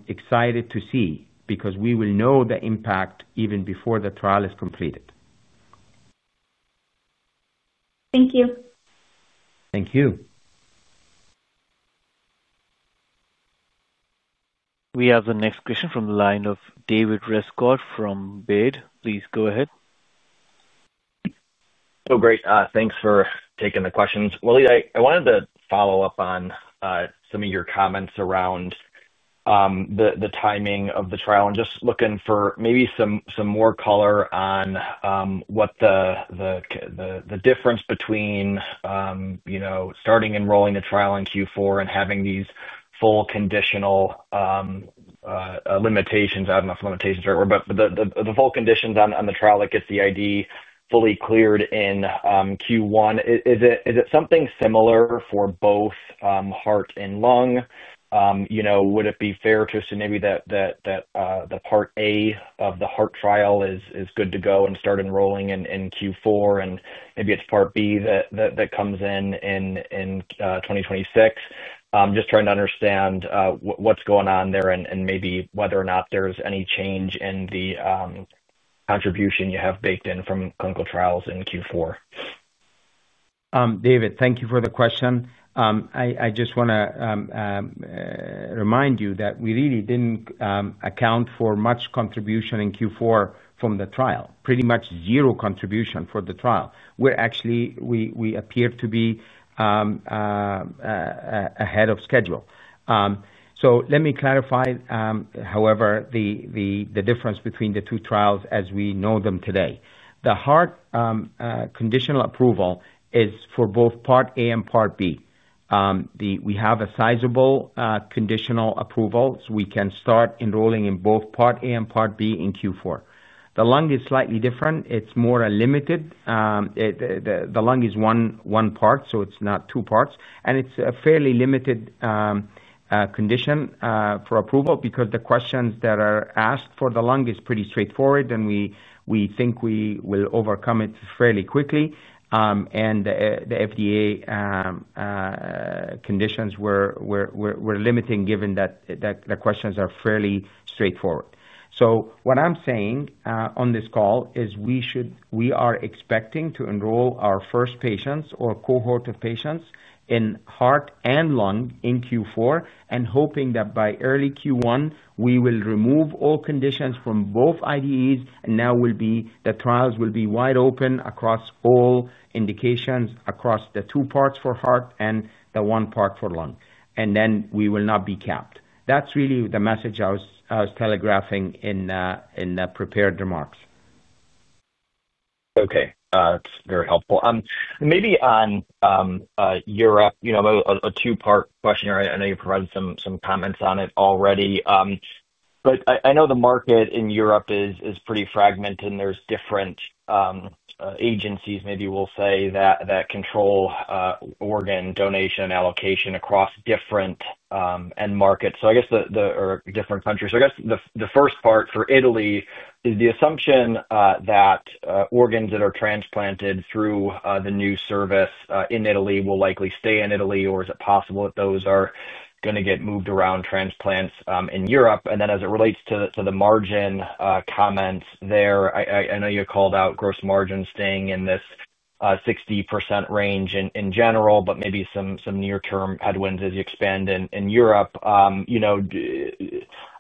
excited to see because we will know the impact even before the trial is completed. Thank you. Thank you. We have the next question from the line of David Rescott from Baird. Please go ahead. Oh, great. Thanks for taking the questions. Waleed, I wanted to follow up on some of your comments around the timing of the trial and just looking for maybe some more color on what the difference between starting and rolling the trial in Q4 and having these full conditional limitations. I don't know if limitations is the right word, but the full conditions on the trial that gets the IDE fully cleared in Q1. Is it something similar for both heart and lung? You know, would it be fair to assume maybe that the part A of the heart trial is good to go and start enrolling in Q4? And maybe it's part B that comes in in 2026. Just trying to understand what's going on there and maybe whether or not there's any change in the contribution you have baked in from clinical trials in Q4. David, thank you for the question. I just want to remind you that we really didn't account for much contribution in Q4 from the trial. Pretty much zero contribution for the trial. We appear to be ahead of schedule. Let me clariFY 20, however, the difference between the two trials as we know them today. The heart conditional approval is for both part A and part B. We have a sizable conditional approval, so we can start enrolling in both part A and part B in Q4. The lung is slightly different. It's more limited. The lung is one part, so it's not two parts, and it's a fairly limited condition for approval because the questions that are asked for the lung are pretty straightforward, and we think we will overcome it fairly quickly. The FDA conditions were limiting given that the questions are fairly straightforward. What I'm saying on this call is we are expecting to enroll our first patients or cohort of patients in heart and lung in Q4 and hoping that by early Q1, we will remove all conditions from both IDEs, and now the trials will be wide open across all indications, across the two parts for heart and the one part for lung. We will not be capped. That's really the message I was telegraphing in the prepared remarks. Okay. That's very helpful. Maybe on Europe, a two-part question. I know you provided some comments on it already. I know the market in Europe is pretty fragmented. There are different agencies, maybe we'll say, that control organ donation allocation across different end markets, so I guess the different countries. The first part for Italy is the assumption that organs that are transplanted through the new service in Italy will likely stay in Italy, or is it possible that those are going to get moved around transplants in Europe? As it relates to the margin comments there, I know you called out gross margins staying in this 60% range in general, but maybe some near-term headwinds as you expand in Europe.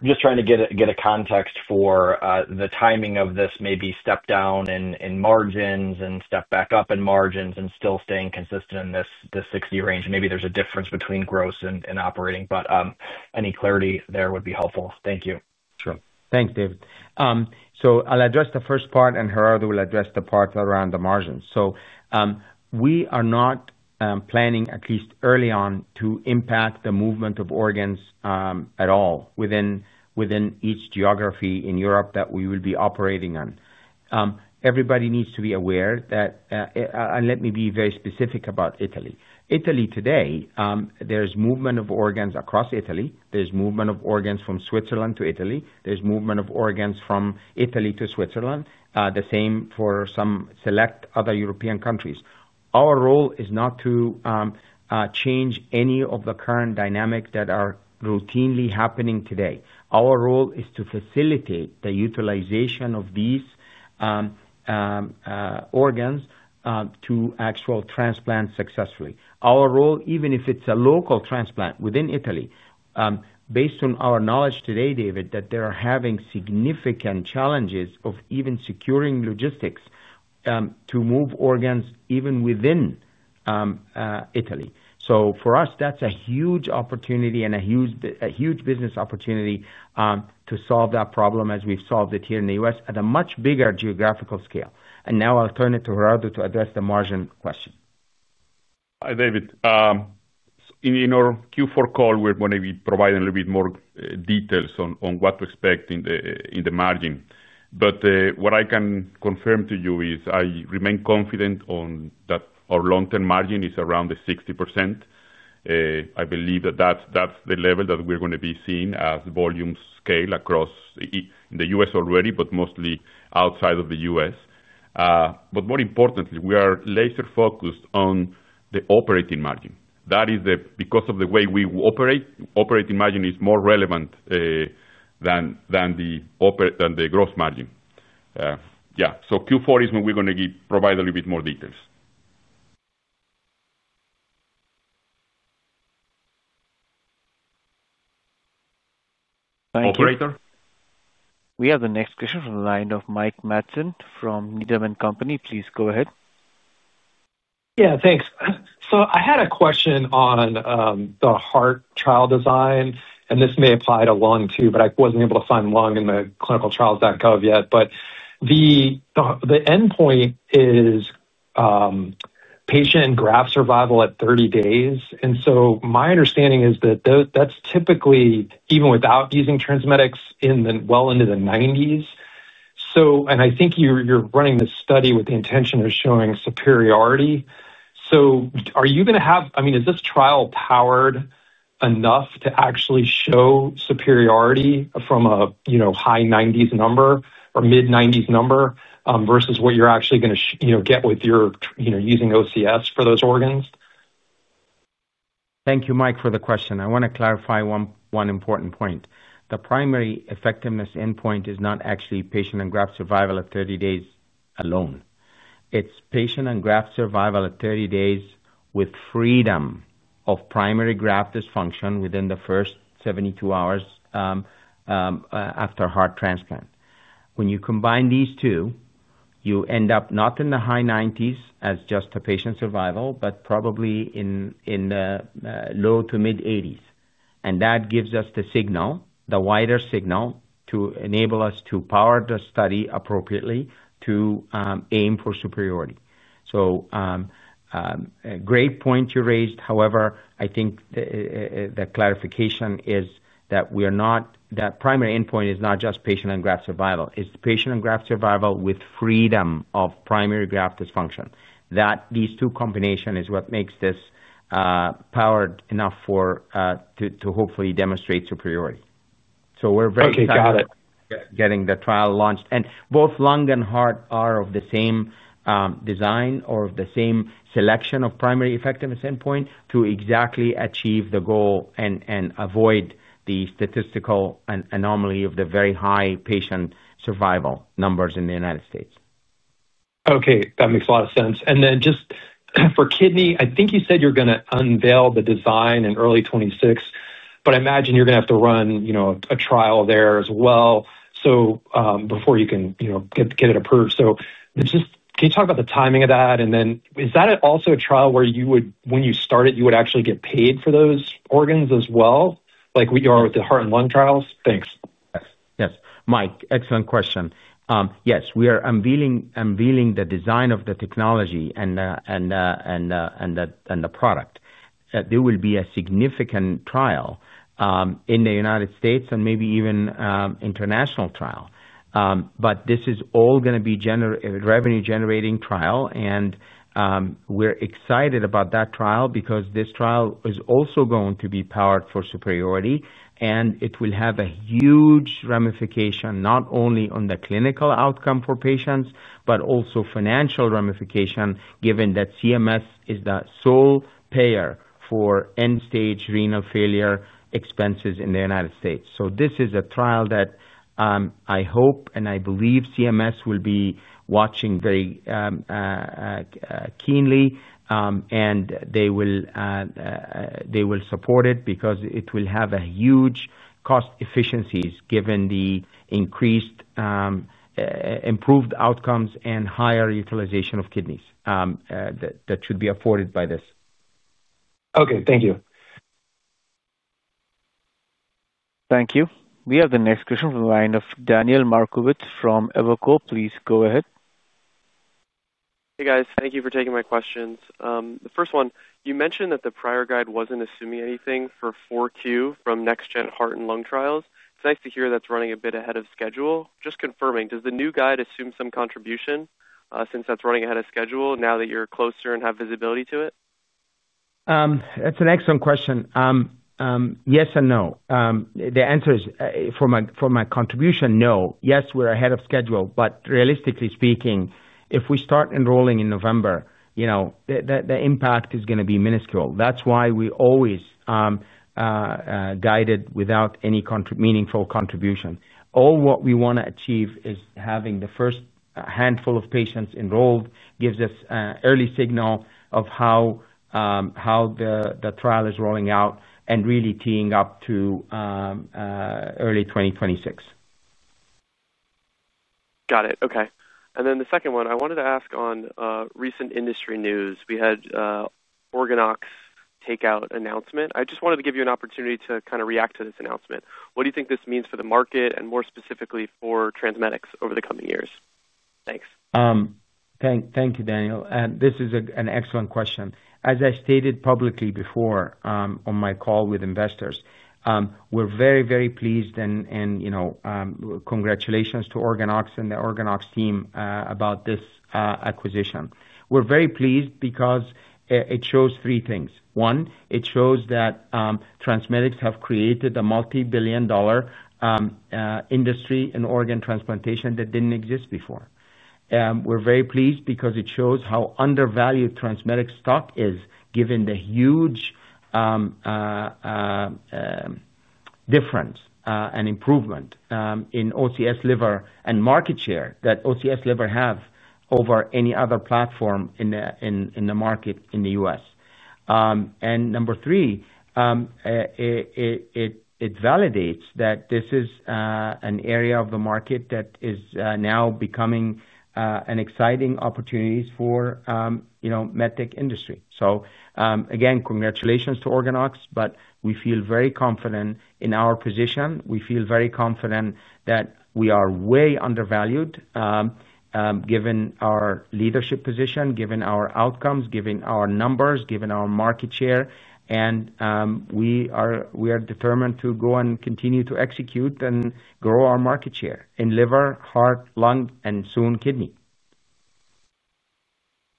Just trying to get a context for the timing of this maybe step down in margins and step back up in margins and still staying consistent in this 60% range. Maybe there's a difference between gross and operating, but any clarity there would be helpful. Thank you. Sure. Thanks, David. I'll address the first part, and Gerardo will address the part around the margins. We are not planning, at least early on, to impact the movement of organs at all within each geography in Europe that we will be operating on. Everybody needs to be aware that, and let me be very specific about Italy. Italy today, there's movement of organs across Italy. There's movement of organs from Switzerland to Italy. There's movement of organs from Italy to Switzerland. The same for some select other European countries. Our role is not to change any of the current dynamics that are routinely happening today. Our role is to facilitate the utilization of these organs to actual transplants successfully. Our role, even if it's a local transplant within Italy, based on our knowledge today, David, that they are having significant challenges of even securing logistics to move organs even within Italy. For us, that's a huge opportunity and a huge business opportunity to solve that problem as we've solved it here in the US at a much bigger geographical scale. Now I'll turn it to Gerardo to address the margin question. Hi, David. In our Q4 call, we're going to be providing a little bit more details on what to expect in the margin. What I can confirm to you is I remain confident that our long-term margin is around the 60%. I believe that that's the level that we're going to be seeing as volume scale across the U.S. already, mostly outside of the U.S. More importantly, we are laser-focused on the operating margin. That is because of the way we operate. Operating margin is more relevant than the gross margin. Q4 is when we're going to provide a little bit more details. Thank you. We have the next question from the line of Mike Matson from Needham & Company. Please go ahead. Yeah, thanks. I had a question on the heart trial design, and this may apply to lung too, but I wasn't able to find lung in the clinicaltrials.gov yet. The endpoint is patient graft survival at 30 days. My understanding is that that's typically, even without using TransMedics, well into the 90s. I think you're running a study with the intention of showing superiority. Are you going to have, I mean, is this trial powered enough to actually show superiority from a high 90s number? number versus what you're actually going to get with your, you know, using OCS for those organs. Thank you, Mike, for the question. I want to clariFY 20 one important point. The primary effectiveness endpoint is not actually patient and graft survival at 30 days alone. It's patient and graft survival at 30 days with freedom of primary graft dysfunction within the first 72 hours after heart transplant. When you combine these two, you end up not in the high 90s as just the patient survival, but probably in the low to mid 80s. That gives us the signal, the wider signal to enable us to power the study appropriately to aim for superiority. Great point you raised. However, I think the clarification is that we are not, that primary endpoint is not just patient and graft survival. It's patient and graft survival with freedom of primary graft dysfunction. These two combinations is what makes this powered enough to hopefully demonstrate superiority. We are very excited about getting the trial launched. Both lung and heart are of the same design or of the same selection of primary effectiveness endpoint to exactly achieve the goal and avoid the statistical anomaly of the very high patient survival numbers in the US. Okay, that makes a lot of sense. For kidney, I think you said you're going to unveil the design in early 2026, but I imagine you're going to have to run a trial there as well before you can get it approved. Can you talk about the timing of that? Is that also a trial where, when you start it, you would actually get paid for those organs as well, like we are with the heart and lung trials? Thanks. Yes, yes. Mike, excellent question. Yes, we are unveiling the design of the technology and the product. There will be a significant trial in the U.S. and maybe even an international trial. This is all going to be a revenue-generating trial. We're excited about that trial because this trial is also going to be powered for superiority. It will have a huge ramification not only on the clinical outcome for patients, but also financial ramification given that CMS is the sole payer for end-stage renal failure expenses in the U.S. This is a trial that I hope and I believe CMS will be watching very keenly. They will support it because it will have a huge cost efficiency given the increased improved outcomes and higher utilization of kidneys that should be afforded by this. Okay, thank you. Thank you. We have the next question from the line of Daniel Markovic from Evoco. Please go ahead. Hey guys, thank you for taking my questions. The first one, you mentioned that the prior guide wasn't assuming anything for 4Q from NextGen heart and lung trials. It's nice to hear that's running a bit ahead of schedule. Just confirming, does the new guide assume some contribution since that's running ahead of schedule now that you're closer and have visibility to it? That's an excellent question. Yes and no. The answer is, for my contribution, no. Yes, we're ahead of schedule. Realistically speaking, if we start enrolling in November, the impact is going to be minuscule. That's why we always guide it without any meaningful contribution. All we want to achieve is having the first handful of patients enrolled, which gives us an early signal of how the trial is rolling out and really teeing up to early 2026. Got it. Okay. The second one, I wanted to ask on recent industry news. We had OrganOx takeout announcement. I just wanted to give you an opportunity to kind of react to this announcement. What do you think this means for the market and more specifically for TransMedics over the coming years? Thanks. Thank you, Daniel. This is an excellent question. As I stated publicly before on my call with investors, we're very, very pleased and congratulations to OrganOx and the OrganOx team about this acquisition. We're very pleased because it shows three things. One, it shows that TransMedics have created a multi-billion dollar industry in organ transplantation that didn't exist before. We're very pleased because it shows how undervalued TransMedics's stock is given the huge difference and improvement in OCS liver and market share that OCS liver has over any other platform in the market in the US. Number three, it validates that this is an area of the market that is now becoming an exciting opportunity for the medtech industry. Again, congratulations to OrganOx, but we feel very confident in our position. We feel very confident that we are way undervalued given our leadership position, given our outcomes, given our numbers, given our market share. We are determined to grow and continue to execute and grow our market share in liver, heart, lung, and soon kidney.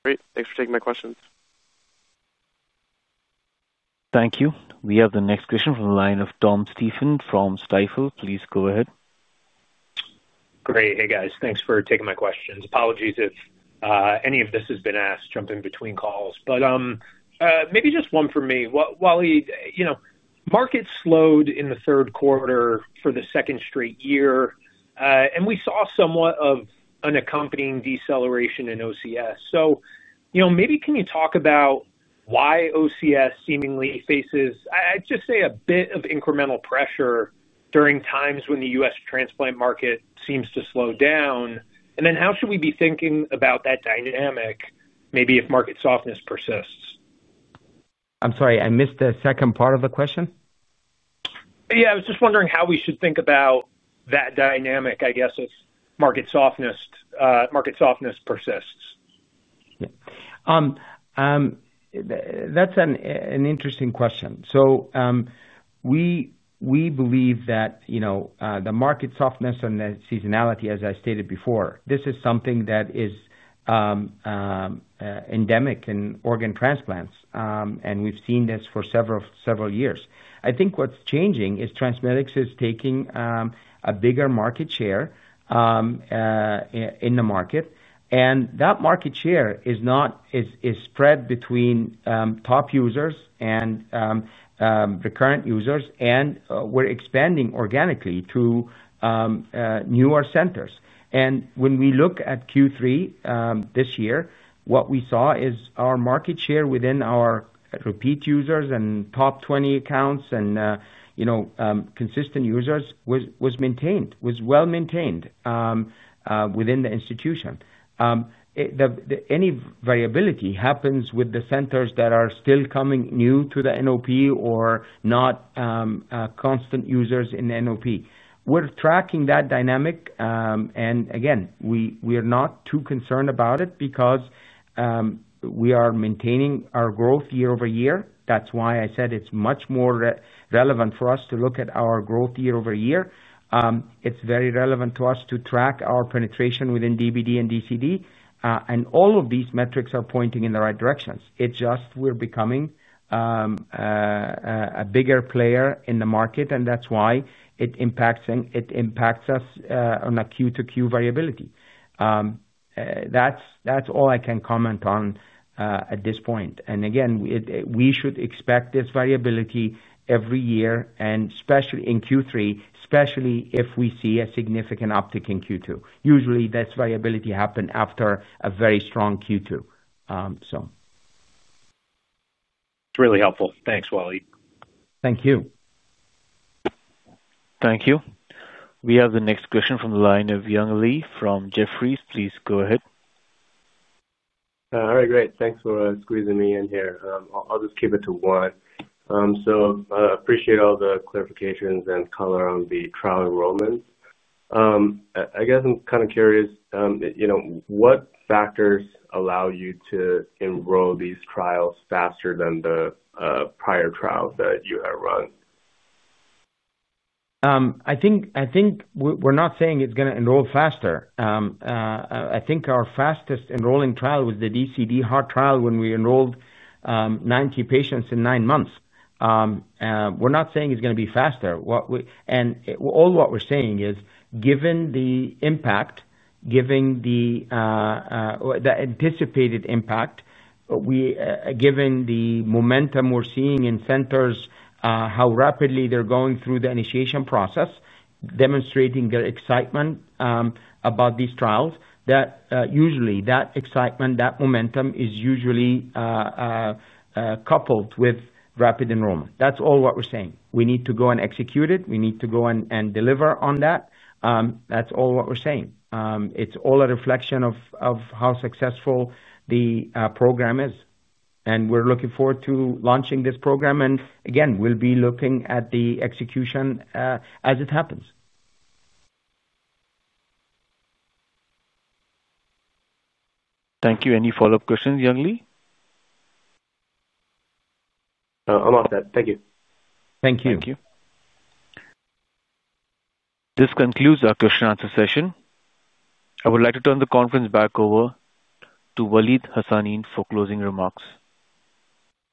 Great. Thanks for taking my questions. Thank you. We have the next question from the line of Tom Stephen from Stifel. Please go ahead. Great. Hey guys, thanks for taking my questions. Apologies if any of this has been asked, jumping between calls. Maybe just one for me. Waleed, you know, markets slowed in the third quarter for the second straight year, and we saw somewhat of an accompanying deceleration in OCS. You know, maybe can you talk about why OCS seemingly faces, I'd just say, a bit of incremental pressure during times when the U.S. transplant market seems to slow down? How should we be thinking about that dynamic maybe if market softness persists? I'm sorry, I missed the second part of the question. I was just wondering how we should think about that dynamic, I guess, if market softness persists. That's an interesting question. We believe that, you know, the market softness and seasonality, as I stated before, is something that is endemic in organ transplants. We've seen this for several years. I think what's changing is TransMedics is taking a bigger market share in the market, and that market share is spread between top users and recurrent users. We're expanding organically to newer centers. When we look at Q3 this year, what we saw is our market share within our repeat users and top 20 accounts and, you know, consistent users was maintained, was well maintained within the institution. Any variability happens with the centers that are still coming new to the NOP or not constant users in the NOP. We're tracking that dynamic. We are not too concerned about it because we are maintaining our growth year-over-year. That's why I said it's much more relevant for us to look at our growth year-over-year. It's very relevant to us to track our penetration within DBD and DCD, and all of these metrics are pointing in the right directions. It's just we're becoming a bigger player in the market, and that's why it impacts us on a Q2 variability. That's all I can comment on at this point. We should expect this variability every year, especially in Q3, especially if we see a significant uptick in Q2. Usually, this variability happens after a very strong Q2. It's really helpful. Thanks, Waleed. Thank you. Thank you. We have the next question from the line of Young Li from Jefferies. Please go ahead. All right, great. Thanks for squeezing me in here. I'll just keep it to one. I appreciate all the clarifications and color on the trial enrollments. I guess I'm kind of curious, you know, what factors allow you to enroll these trials faster than the prior trial that you have run? I think we're not saying it's going to enroll faster. I think our fastest enrolling trial was the DCD heart trial when we enrolled 90 patients in nine months. We're not saying it's going to be faster. All we're saying is given the impact, given the anticipated impact, given the momentum we're seeing in centers, how rapidly they're going through the initiation process, demonstrating their excitement about these trials, that usually that excitement, that momentum is usually coupled with rapid enrollment. That's all we're saying. We need to go and execute it. We need to go and deliver on that. That's all we're saying. It's all a reflection of how successful the program is. We're looking forward to launching this program. Again, we'll be looking at the execution as it happens. Thank you. Any follow-up questions, Young Li? I'm all set. Thank you. Thank you. Thank you. This concludes our question-and-answer session. I would like to turn the conference back over to Waleed Hassanein for closing remarks.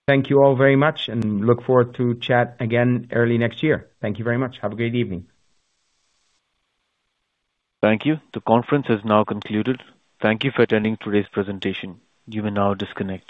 Thank you all very much. I look forward to chat again early next year. Thank you very much. Have a great evening. Thank you. The conference has now concluded. Thank you for attending today's presentation. You may now disconnect.